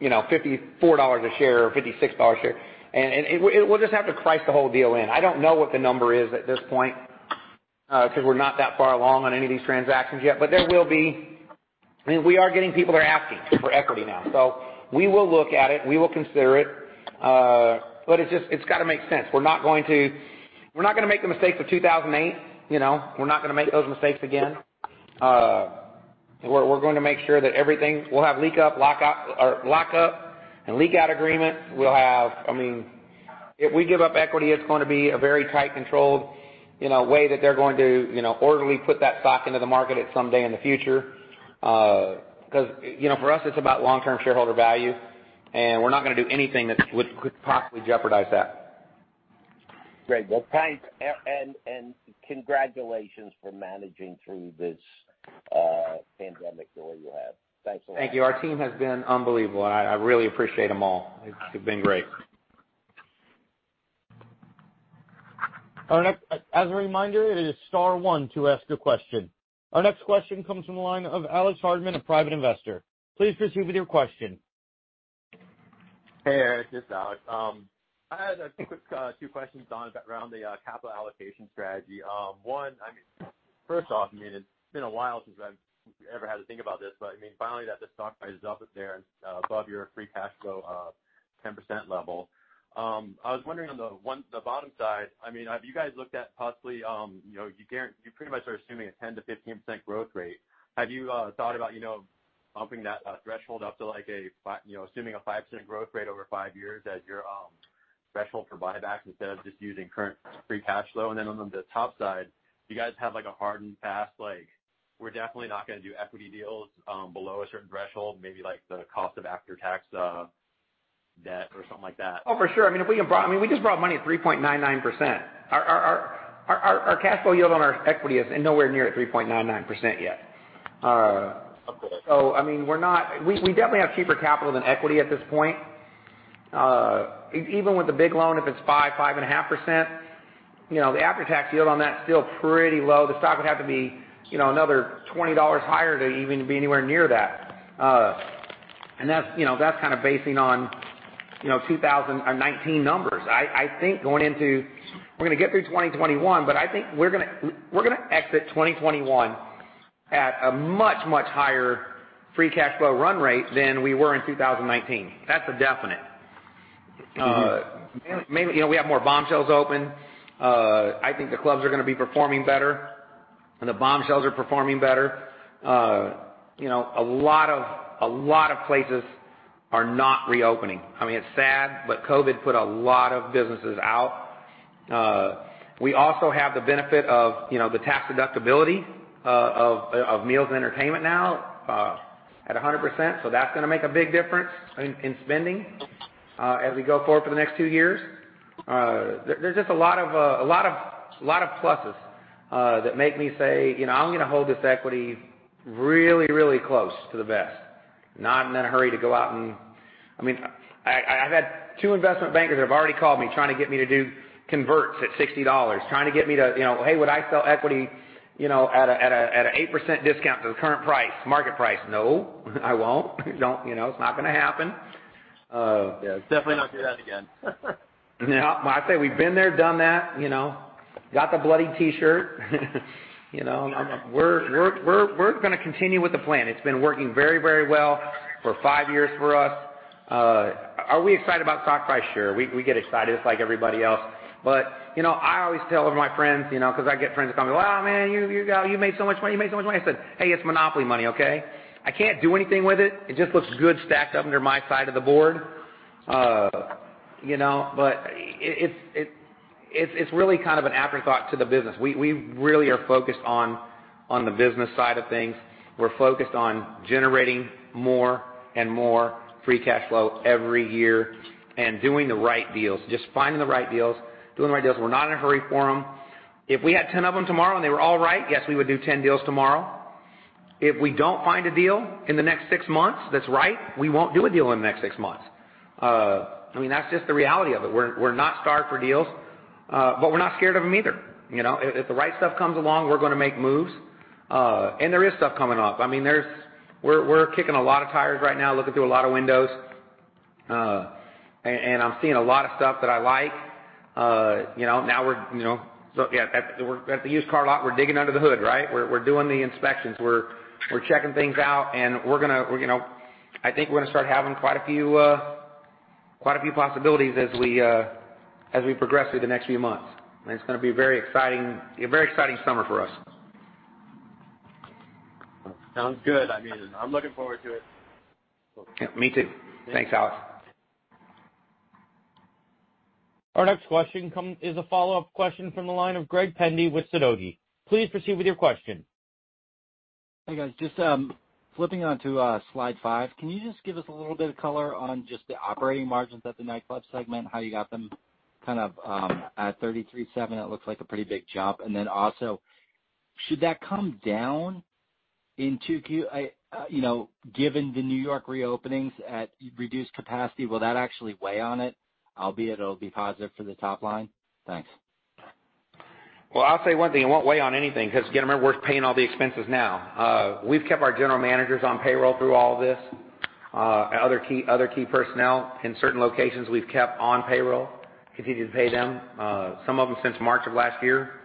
$54 a share or $56 a share." We'll just have to price the whole deal in. I don't know what the number is at this point, because we're not that far along on any of these transactions yet. There will be. We are getting people that are asking for equity now. We will look at it, we will consider it. It's got to make sense. We're not going to make the mistakes of 2008. We're not going to make those mistakes again. We'll have lockup and leak-out agreements. If we give up equity, it's going to be a very tight controlled way that they're going to orderly put that stock into the market at some day in the future. For us, it's about long-term shareholder value, and we're not going to do anything that could possibly jeopardize that. Great. Well, thanks, and congratulations for managing through this pandemic the way you have. Thanks a lot. Thank you. Our team has been unbelievable. I really appreciate them all. They've been great. As a reminder, it is star one to ask a question. Our next question comes from the line of Alex Hardman, a private investor. Please proceed with your question. Hey, Eric, this is Alex. I had a quick two questions, Don, around the capital allocation strategy. One, first off, it's been a while since I've ever had to think about this, but finally that the stock price is up there above your free cash flow of 10% level. I was wondering on the bottom side, have you guys looked at You pretty much are assuming a 10%-15% growth rate. Have you thought about bumping that threshold up to assuming a 5% growth rate over five years as your threshold for buyback instead of just using current free cash flow? On the top side, do you guys have a hardened path like, we're definitely not going to do equity deals below a certain threshold, maybe like the cost of after-tax debt or something like that. Oh, for sure. We just borrowed money at 3.99%. Our cash flow yield on our equity is nowhere near at 3.99% yet. Okay. We definitely have cheaper capital than equity at this point. Even with the big loan, if it's 5%-5.5%, the after-tax yield on that is still pretty low. The stock would have to be another $20 higher to even be anywhere near that. That's basing on 2019 numbers. We're going to get through 2021, but I think we're going to exit 2021 at a much, much higher free cash flow run rate than we were in 2019. That's a definite. We have more Bombshells open. I think the clubs are going to be performing better, and the Bombshells are performing better. A lot of places are not reopening. It's sad, but COVID put a lot of businesses out. We also have the benefit of the tax deductibility of meals and entertainment now at 100%. That's going to make a big difference in spending as we go forward for the next two years. There's just a lot of pluses that make me say, "I'm going to hold this equity really, really close to the vest." Not in a hurry to go out. I've had two investment bankers that have already called me trying to get me to do converts at $60, trying to get me to, "Hey, would I sell equity at an 8% discount to the current price, market price?" No, I won't. It's not going to happen. Yeah, definitely not do that again. No. I say we've been there, done that, got the bloody T-shirt. We're going to continue with the plan. It's been working very, very well for five years for us. Are we excited about stock price? Sure. I always tell all of my friends, because I get friends that call me, "Oh, man, you made so much money, you made so much money." I said, "Hey, it's Monopoly money, okay? I can't do anything with it. It just looks good stacked up under my side of the board." It's really kind of an afterthought to the business. We really are focused on the business side of things. We're focused on generating more and more free cash flow every year and doing the right deals, just finding the right deals, doing the right deals. We're not in a hurry for them. If we had 10 of them tomorrow and they were all right, yes, we would do 10 deals tomorrow. If we don't find a deal in the next six months that's right, we won't do a deal in the next six months. That's just the reality of it. We're not starved for deals. We're not scared of them either. If the right stuff comes along, we're going to make moves. There is stuff coming up. We're kicking a lot of tires right now, looking through a lot of windows. I'm seeing a lot of stuff that I like. At the used car lot, we're digging under the hood, right? We're doing the inspections, we're checking things out, and I think we're going to start having quite a few possibilities as we progress through the next few months. It's going to be a very exciting summer for us. Sounds good. I'm looking forward to it. Me too. Thanks, Alex. Our next question is a follow-up question from the line of Greg Pendy with Sidoti. Please proceed with your question. Hey, guys. Just flipping onto slide five, can you just give us a little bit of color on just the operating margins at the nightclub segment, how you got them kind of at 33.7? It looks like a pretty big jump. Then also, should that come down in 2Q, given the New York reopenings at reduced capacity? Will that actually weigh on it, albeit it'll be positive for the top line? Thanks. Well, I'll say one thing. It won't weigh on anything because, again, remember, we're paying all the expenses now. We've kept our general managers on payroll through all of this. Other key personnel in certain locations, we've kept on payroll, continued to pay them, some of them since March of last year.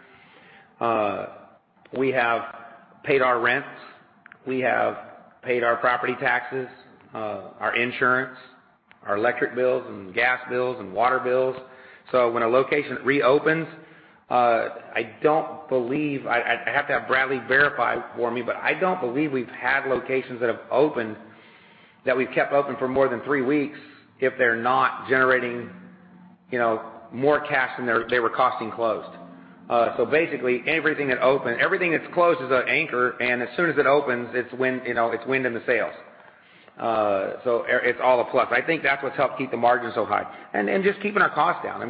We have paid our rents. We have paid our property taxes, our insurance, our electric bills and gas bills and water bills. When a location reopens, I have to have Bradley verify for me, but I don't believe we've had locations that have opened that we've kept open for more than three weeks if they're not generating more cash than they were costing closed. Basically, everything that's closed is an anchor, and as soon as it opens, it's wind in the sails. It's all a plus. I think that's what's helped keep the margins so high. Just keeping our costs down.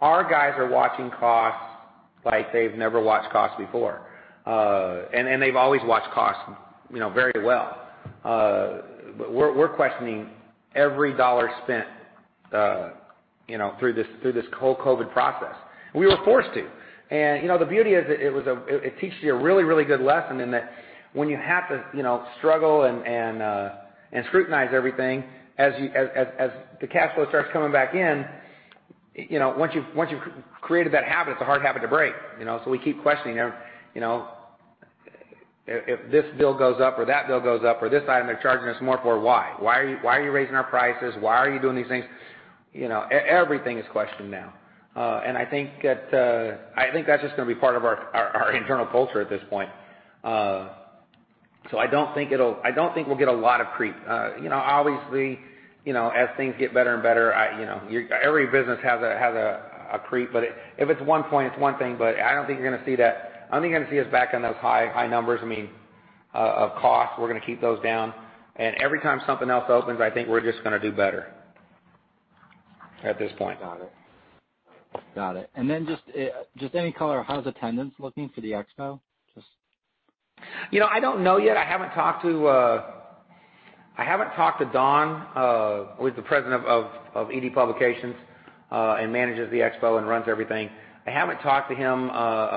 Our guys are watching costs like they've never watched costs before. They've always watched costs very well. We're questioning every dollar spent through this whole COVID process. We were forced to. The beauty is it teaches you a really, really good lesson in that when you have to struggle and scrutinize everything, as the cash flow starts coming back in, once you've created that habit, it's a hard habit to break. We keep questioning them. If this bill goes up or that bill goes up or this item, they're charging us more for, why? Why are you raising our prices? Why are you doing these things? Everything is questioned now. I think that's just going to be part of our internal culture at this point. I don't think we'll get a lot of creep. Obviously, as things get better and better, every business has a creep. If it's one point, it's one thing, I don't think you're going to see us back on those high numbers, of cost. We're going to keep those down. Every time something else opens, I think we're just going to do better, at this point. Got it. Just any color, how's attendance looking for the expo? I don't know yet. I haven't talked to Don, who is the president of ED Publications, and manages the expo and runs everything. I haven't talked to him. I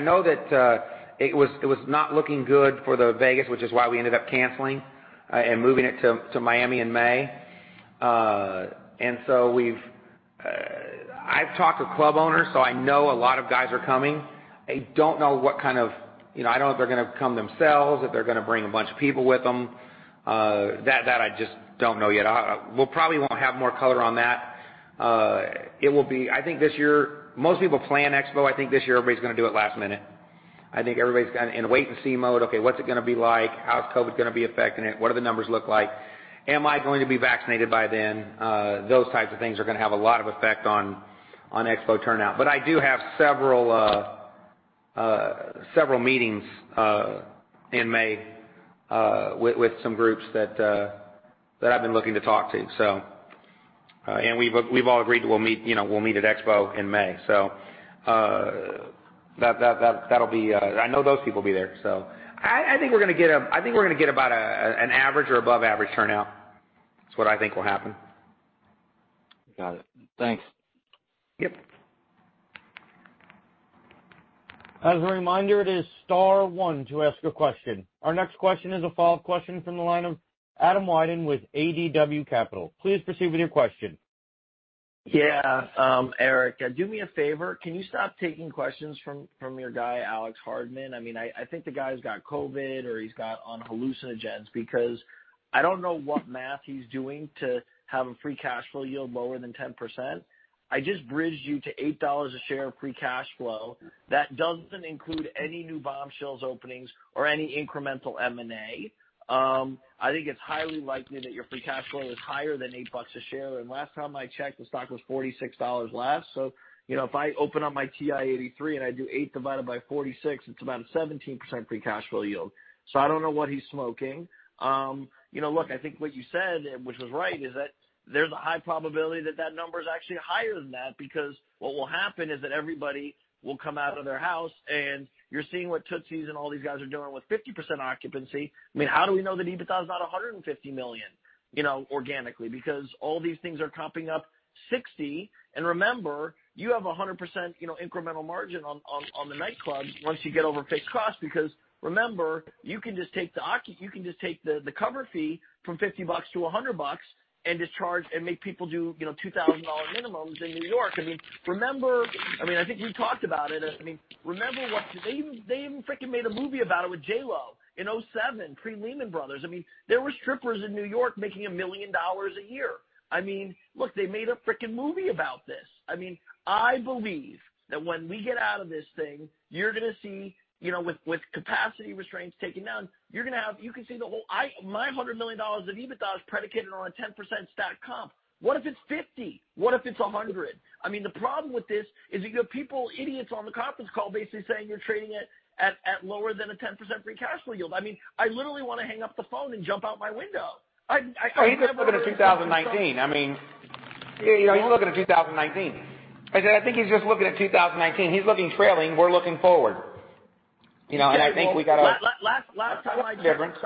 know that it was not looking good for the Vegas, which is why we ended up canceling and moving it to Miami in May. I've talked to club owners, so I know a lot of guys are coming. I don't know if they're going to come themselves, if they're going to bring a bunch of people with them. That I just don't know yet. We'll probably won't have more color on that. I think this year, most people plan expo. I think this year everybody's going to do it last minute. I think everybody's in wait and see mode. Okay, what's it going to be like? How's COVID going to be affecting it? What do the numbers look like? Am I going to be vaccinated by then? Those types of things are going to have a lot of effect on expo turnout. I do have several meetings in May with some groups that I've been looking to talk to. We've all agreed we'll meet at expo in May. I know those people will be there. I think we're going to get about an average or above average turnout. It's what I think will happen. Got it. Thanks. Yep. Our next question is a follow-up question from the line of Adam Wyden with ADW Capital. Please proceed with your question. Yeah. Eric, do me a favor. Can you stop taking questions from your guy, Alex Hardman? I think the guy's got COVID or he's got on hallucinogens because I don't know what math he's doing to have a free cash flow yield lower than 10%. I just bridged you to $8 a share of free cash flow. That doesn't include any new Bombshells openings or any incremental M&A. I think it's highly likely that your free cash flow is higher than eight bucks a share. Last time I checked, the stock was $46 last. If I open up my TI-83 and I do eight divided by 46, it's about a 17% free cash flow yield. I don't know what he's smoking. Look, I think what you said, which was right, is that there's a high probability that number is actually higher than that because what will happen is that everybody will come out of their house and you're seeing what Tootsie's and all these guys are doing with 50% occupancy. How do we know that EBITDA is not $150 million organically because all these things are comping up 60%. Remember, you have 100% incremental margin on the nightclubs once you get over fixed costs because remember, you can just take the cover fee from $50-$100 and just charge and make people do $2,000 minimums in New York. I think we talked about it. They even freaking made a movie about it with J.Lo in 2007, pre Lehman Brothers. There were strippers in New York making $1 million a year. Look, they made a freaking movie about this. I believe that when we get out of this thing, you're going to see, with capacity restraints taken down, you can see the whole My $100 million of EBITDA is predicated on a 10% stacked comp. What if it's 50? What if it's 100? The problem with this is you got people, idiots on the conference call basically saying you're trading at lower than a 10% free cash flow yield. I literally want to hang up the phone and jump out my window. He's looking at 2019. Like I said, I think he's just looking at 2019. He's looking trailing, we're looking forward. Last time I checked. Slight difference.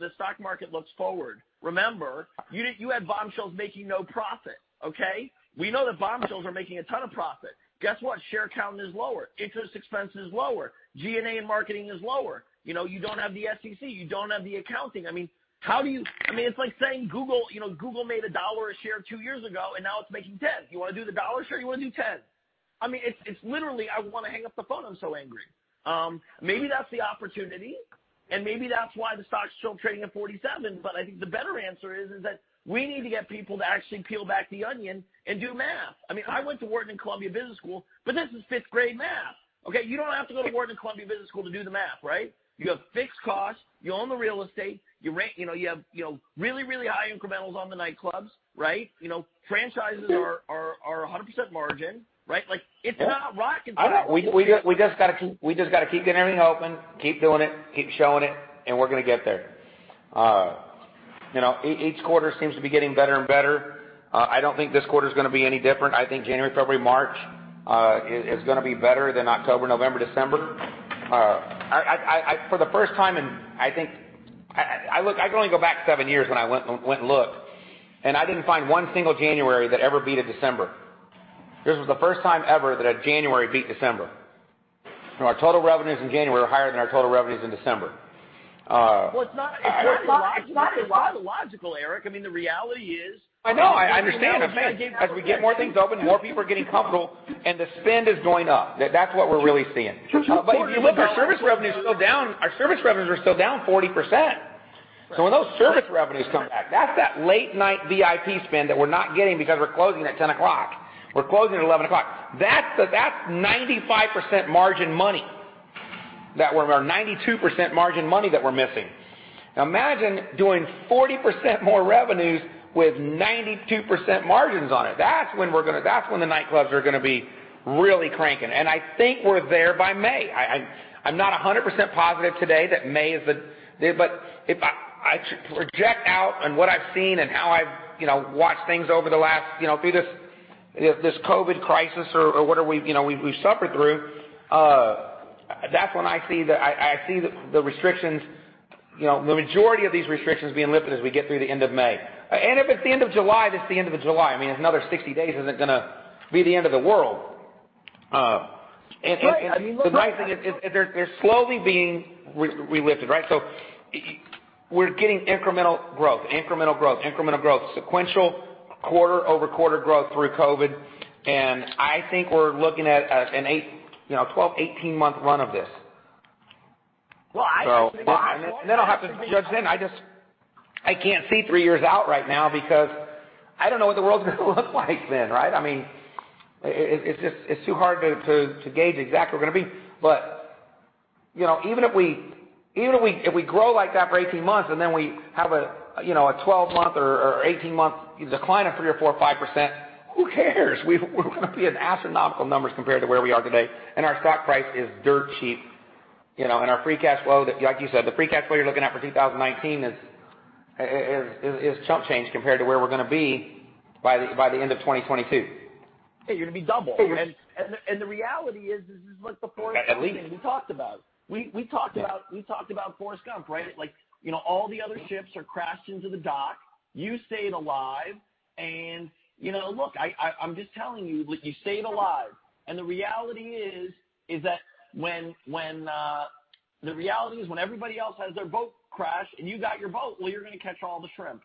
The stock market looks forward. Remember, you had Bombshells making no profit, okay? We know that Bombshells are making a ton of profit. Guess what? Share count is lower, interest expense is lower, G&A and marketing is lower. You don't have the SEC, you don't have the accounting. It's like saying Google made $1 a share two years ago and now it's making 10. You want to do the $1 share or you want to do 10? It's literally I want to hang up the phone, I'm so angry. Maybe that's the opportunity and maybe that's why the stock's still trading at 47. I think the better answer is that we need to get people to actually peel back the onion and do math. I went to Wharton and Columbia Business School, this is fifth-grade math, okay? You don't have to go to Wharton and Columbia Business School to do the math, right? You have fixed costs. You own the real estate. You have really, really high incrementals on the nightclubs, right? Franchises are 100% margin, right? Like it's not rocket science. We just got to keep getting everything open, keep doing it, keep showing it, and we're going to get there. Each quarter seems to be getting better and better. I don't think this quarter's going to be any different. I think January, February, March, is going to be better than October, November, December. For the first time in, I think I can only go back seven years when I went and looked, and I didn't find one single January that ever beat a December. This was the first time ever that a January beat December. Our total revenues in January were higher than our total revenues in December. Well, it's not illogical, Eric. The reality is- I know, I understand. As we get more things open, more people are getting comfortable and the spend is going up. That's what we're really seeing. If you look, our service revenues are still down 40%. So when those service revenues come back, that's that late-night VIP spend that we're not getting because we're closing at 10:00 P.M. We're closing at 11:00 P.M. That's 95% margin money, or 92% margin money that we're missing. Imagine doing 40% more revenues with 92% margins on it. That's when the nightclubs are going to be really cranking. I think we're there by May. I'm not 100% positive today that May is it, but if I project out and what I've seen and how I've watched things over this COVID crisis or whatever we've suffered through, that's when I see the majority of these restrictions being lifted as we get through the end of May. If it's the end of July, then it's the end of July. Another 60 days isn't going to be the end of the world. Right. The nice thing is, they're slowly being re-lifted. We're getting incremental growth, incremental growth, incremental growth, sequential quarter-over-quarter growth through COVID, I think we're looking at a 12-18 month run of this. Well, Then I'll have to judge then. I can't see three years out right now because I don't know what the world's going to look like then. It's too hard to gauge exactly where we're going to be. Even if we grow like that for 18 months and then we have a 12 month or 18 month decline of three or four or 5%, who cares. We're going to be at astronomical numbers compared to where we are today, and our stock price is dirt cheap. Our free cash flow, like you said, the free cash flow you're looking at for 2019 is chump change compared to where we're going to be by the end of 2022. Hey, you're going to be double. At least. Forrest Gump thing we talked about. We talked about Forrest Gump. All the other ships are crashed into the dock. You stayed alive, and look, I'm just telling you stayed alive. The reality is when everybody else has their boat crash and you got your boat, well, you're going to catch all the shrimp.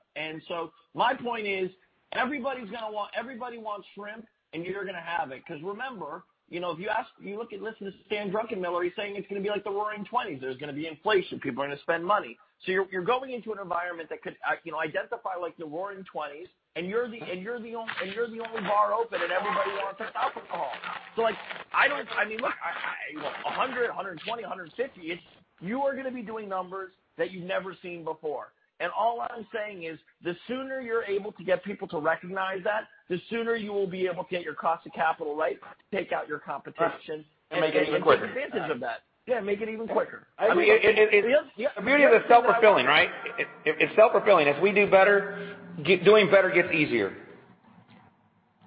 My point is, everybody wants shrimp, and you're going to have it. Because remember, listen to Stan Druckenmiller, he's saying it's going to be like the Roaring '20s. There's going to be inflation. People are going to spend money. You're going into an environment that could identify like the Roaring '20s, and you're the only bar open, and everybody wants their alcohol. Look, 100, 120, 150, you are going to be doing numbers that you've never seen before. All I'm saying is, the sooner you're able to get people to recognize that, the sooner you will be able to get your cost of capital right, take out your competition. Make it even quicker. Take advantage of that. Yeah, make it even quicker. I agree. The beauty of it is it's self-fulfilling. If we do better, doing better gets easier.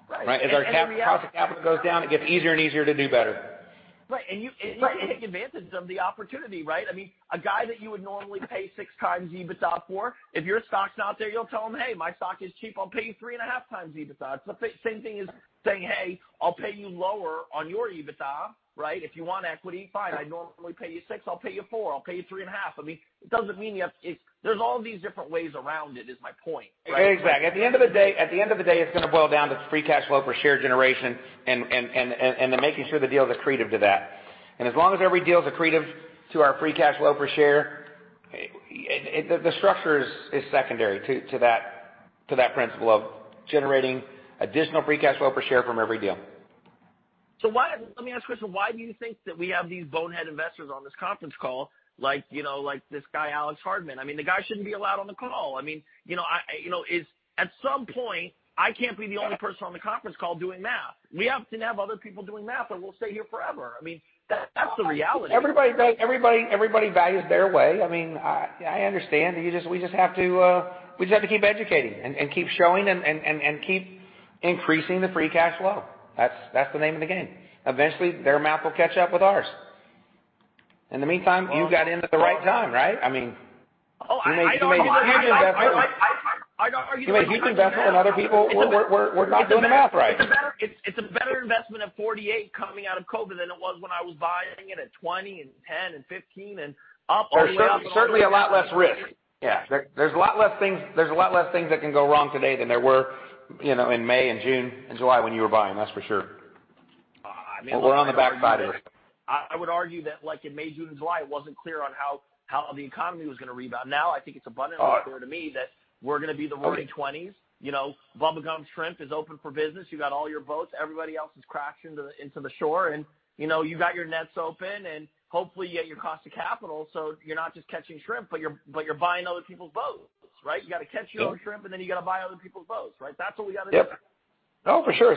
Right. As our cost of capital goes down, it gets easier and easier to do better. Right. You take advantage of the opportunity. A guy that you would normally pay 6x EBITDA for, if your stock's not there, you'll tell him, "Hey, my stock is cheap. I'll pay you 3.5x EBITDA." It's the same thing as saying, "Hey, I'll pay you lower on your EBITDA. If you want equity, fine. I normally pay you 6, I'll pay you 4. I'll pay you 3.5." There's all these different ways around it is my point. Exactly. At the end of the day, it's going to boil down to free cash flow per share generation and then making sure the deal's accretive to that. As long as every deal's accretive to our free cash flow per share, the structure is secondary to that principle of generating additional free cash flow per share from every deal. Let me ask you a question. Why do you think that we have these bonehead investors on this conference call, like this guy Alex Hardman? The guy shouldn't be allowed on the call. At some point, I can't be the only person on the conference call doing math. We have to have other people doing math, or we'll stay here forever. That's the reality. Everybody values their way. I understand. We just have to keep educating and keep showing and keep increasing the free cash flow. That's the name of the game. Eventually, their math will catch up with ours. In the meantime, you got in at the right time. You made a huge investment. Are you saying- You made a huge investment, and other people, we're not doing the math right. It's a better investment at $48 coming out of COVID than it was when I was buying it at $20 and $10 and $15 and up all the way up. There's certainly a lot less risk. Yeah. There's a lot less things that can go wrong today than there were in May and June and July when you were buying, that's for sure. I would argue- We're on the back side of it. I would argue that in May, June, and July, it wasn't clear on how the economy was going to rebound. Now, I think it's abundantly clear to me that we're going to be the Roaring '20s. Bubba Gump Shrimp is open for business. You got all your boats. Everybody else is crashed into the shore, and you got your nets open, and hopefully you get your cost of capital so you're not just catching shrimp, but you're buying other people's boats. You got to catch your shrimp, and then you got to buy other people's boats. That's what we got to do. Yep. Oh, for sure,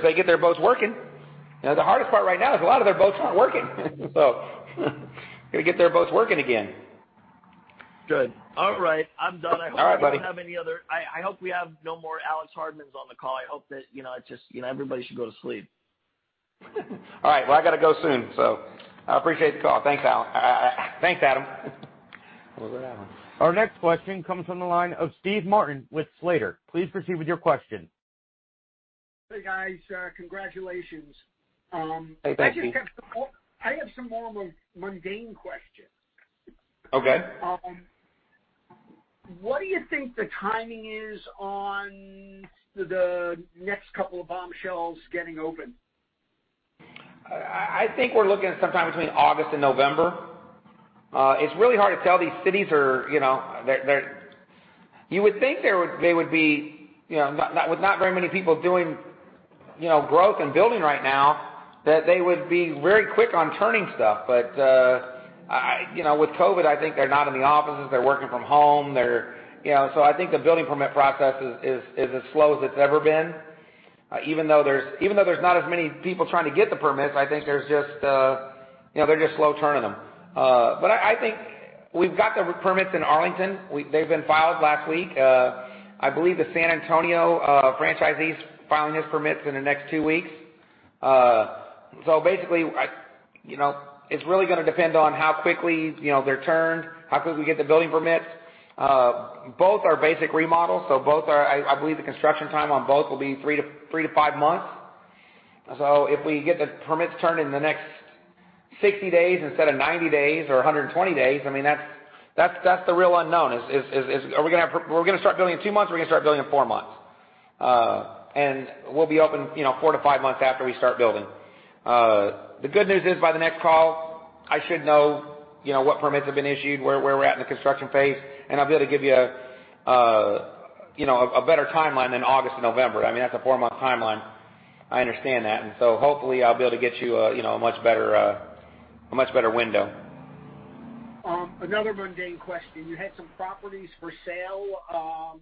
as they get their boats working. The hardest part right now is a lot of their boats aren't working. Got to get their boats working again. Good. All right. I'm done. All right, buddy. I hope we have no more Alex Hardman on the call. I hope that just everybody should go to sleep. All right. Well, I got to go soon, so I appreciate the call. Thanks, Adam. Our next question comes from the line of Steve Martin with Slater. Please proceed with your question. Hey, guys. Congratulations. Hey, thank you. I have some more mundane questions. Okay. What do you think the timing is on the next couple of Bombshells getting open? I think we're looking at sometime between August and November. It's really hard to tell. You would think with not very many people doing growth and building right now, that they would be very quick on turning stuff. With COVID, I think they're not in the offices, they're working from home. I think the building permit process is as slow as it's ever been. Even though there's not as many people trying to get the permits, I think they're just slow turning them. I think we've got the permits in Arlington. They've been filed last week. I believe the San Antonio franchisee's filing his permits in the next two weeks. Basically, it's really going to depend on how quickly they're turned, how quickly we get the building permits. Both are basic remodels. I believe the construction time on both will be three to five months. If we get the permits turned in the next 60 days instead of 90 days or 120 days, that's the real unknown, is are we going to start building in two months, or are we going to start building in four months? We'll be open four to five months after we start building. The good news is by the next call, I should know what permits have been issued, where we're at in the construction phase, and I'll be able to give you a better timeline than August to November. That's a four-month timeline. I understand that, and so hopefully I'll be able to get you a much better window. Another mundane question. You had some properties for sale,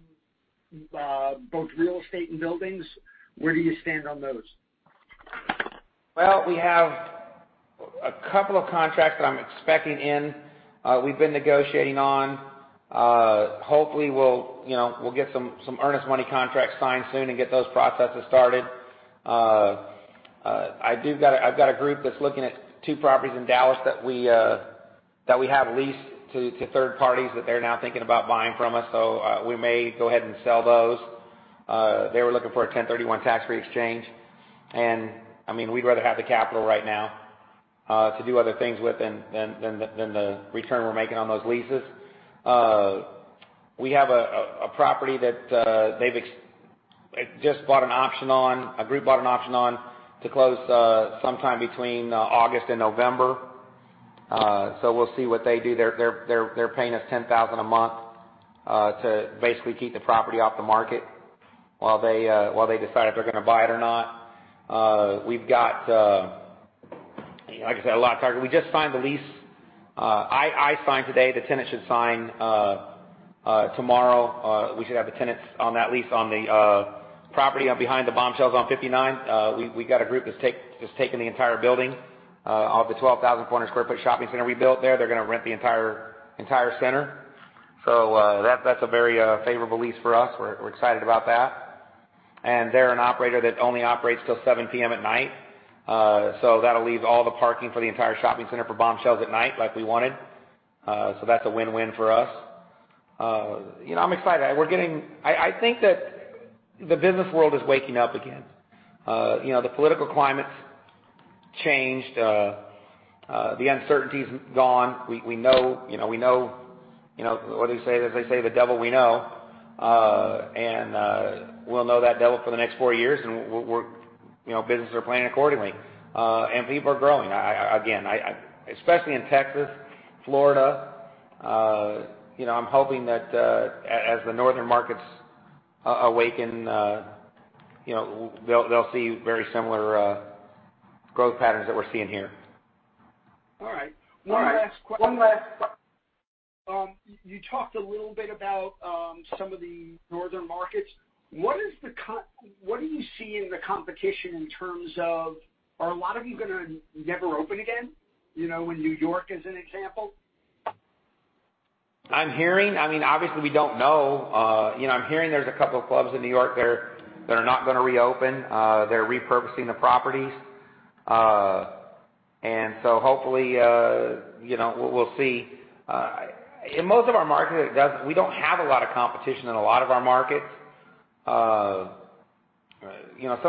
both real estate and buildings. Where do you stand on those? Well, we have a couple of contracts that I'm expecting in, we've been negotiating on. Hopefully, we'll get some earnest money contracts signed soon and get those processes started. I've got a group that's looking at two properties in Dallas that we have leased to third parties that they're now thinking about buying from us. We may go ahead and sell those. They were looking for a 1031 tax-free exchange, and we'd rather have the capital right now to do other things with than the return we're making on those leases. We have a property that a group bought an option on to close sometime between August and November. We'll see what they do. They're paying us $10,000 a month to basically keep the property off the market while they decide if they're going to buy it or not. Like I said, a lot of targets. We just signed the lease. I signed today. The tenant should sign tomorrow. We should have the tenants on that lease on the property behind the Bombshells on 59. We got a group that's taking the entire building off the 12,400 sq ft shopping center we built there. They're going to rent the entire center. That's a very favorable lease for us. We're excited about that. They're an operator that only operates till 7:00 P.M. at night. That'll leave all the parking for the entire shopping center for Bombshells at night, like we wanted. That's a win-win for us. I'm excited. I think that the business world is waking up again. The political climate's changed. The uncertainty's gone. As they say, the devil we know. We'll know that devil for the next four years, and businesses are planning accordingly. People are growing. Again, especially in Texas, Florida, I'm hoping that as the northern markets awaken, they'll see very similar growth patterns that we're seeing here. All right. One last question. You talked a little bit about some of the northern markets. What do you see in the competition in terms of, are a lot of you going to never open again, in New York as an example? Obviously we don't know. I'm hearing there's a couple of clubs in New York that are not going to reopen. They're repurposing the properties. Hopefully, we'll see. In most of our markets, we don't have a lot of competition in a lot of our markets. Some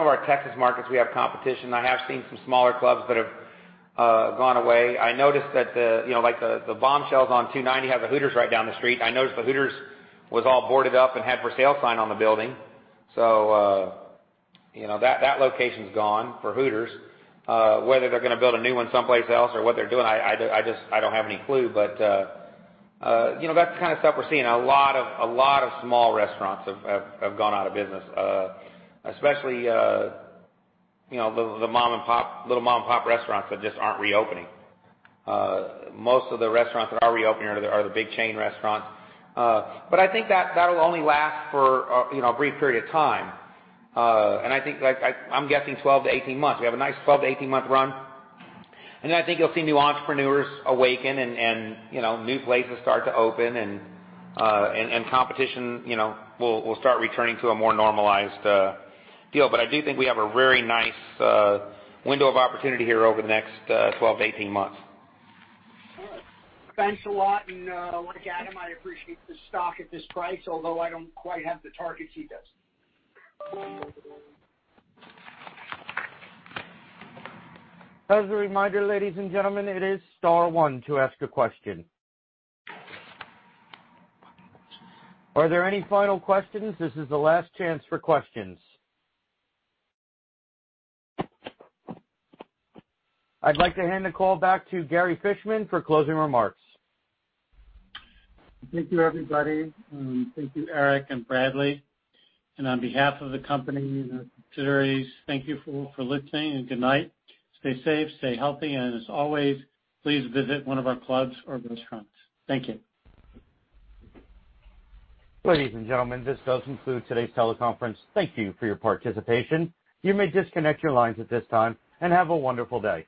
of our Texas markets, we have competition. I have seen some smaller clubs that have gone away. I noticed that the Bombshells on 290 have a Hooters right down the street. I noticed the Hooters was all boarded up and had for sale sign on the building. That location's gone for Hooters. Whether they're going to build a new one someplace else or what they're doing, I don't have any clue, but that's the kind of stuff we're seeing. A lot of small restaurants have gone out of business. Especially the little mom and pop restaurants that just aren't reopening. Most of the restaurants that are reopening are the big chain restaurants. I think that'll only last for a brief period of time. I'm guessing 12 to 18 months. We have a nice 12 to 18 month run. I think you'll see new entrepreneurs awaken and new places start to open and competition will start returning to a more normalized deal. I do think we have a very nice window of opportunity here over the next 12 to 18 months. All right. Thanks a lot. Like Adam, I appreciate the stock at this price, although I don't quite have the targets he does. As a reminder, ladies and gentlemen, it is star one to ask a question. Are there any final questions? This is the last chance for questions. I'd like to hand the call back to Gary Fishman for closing remarks. Thank you, everybody. Thank you, Eric and Bradley. On behalf of the company and our subsidiaries, thank you for listening and good night. Stay safe, stay healthy, and as always, please visit one of our clubs or restaurants. Thank you. Ladies and gentlemen, this does conclude today's teleconference. Thank you for your participation. You may disconnect your lines at this time, and have a wonderful day.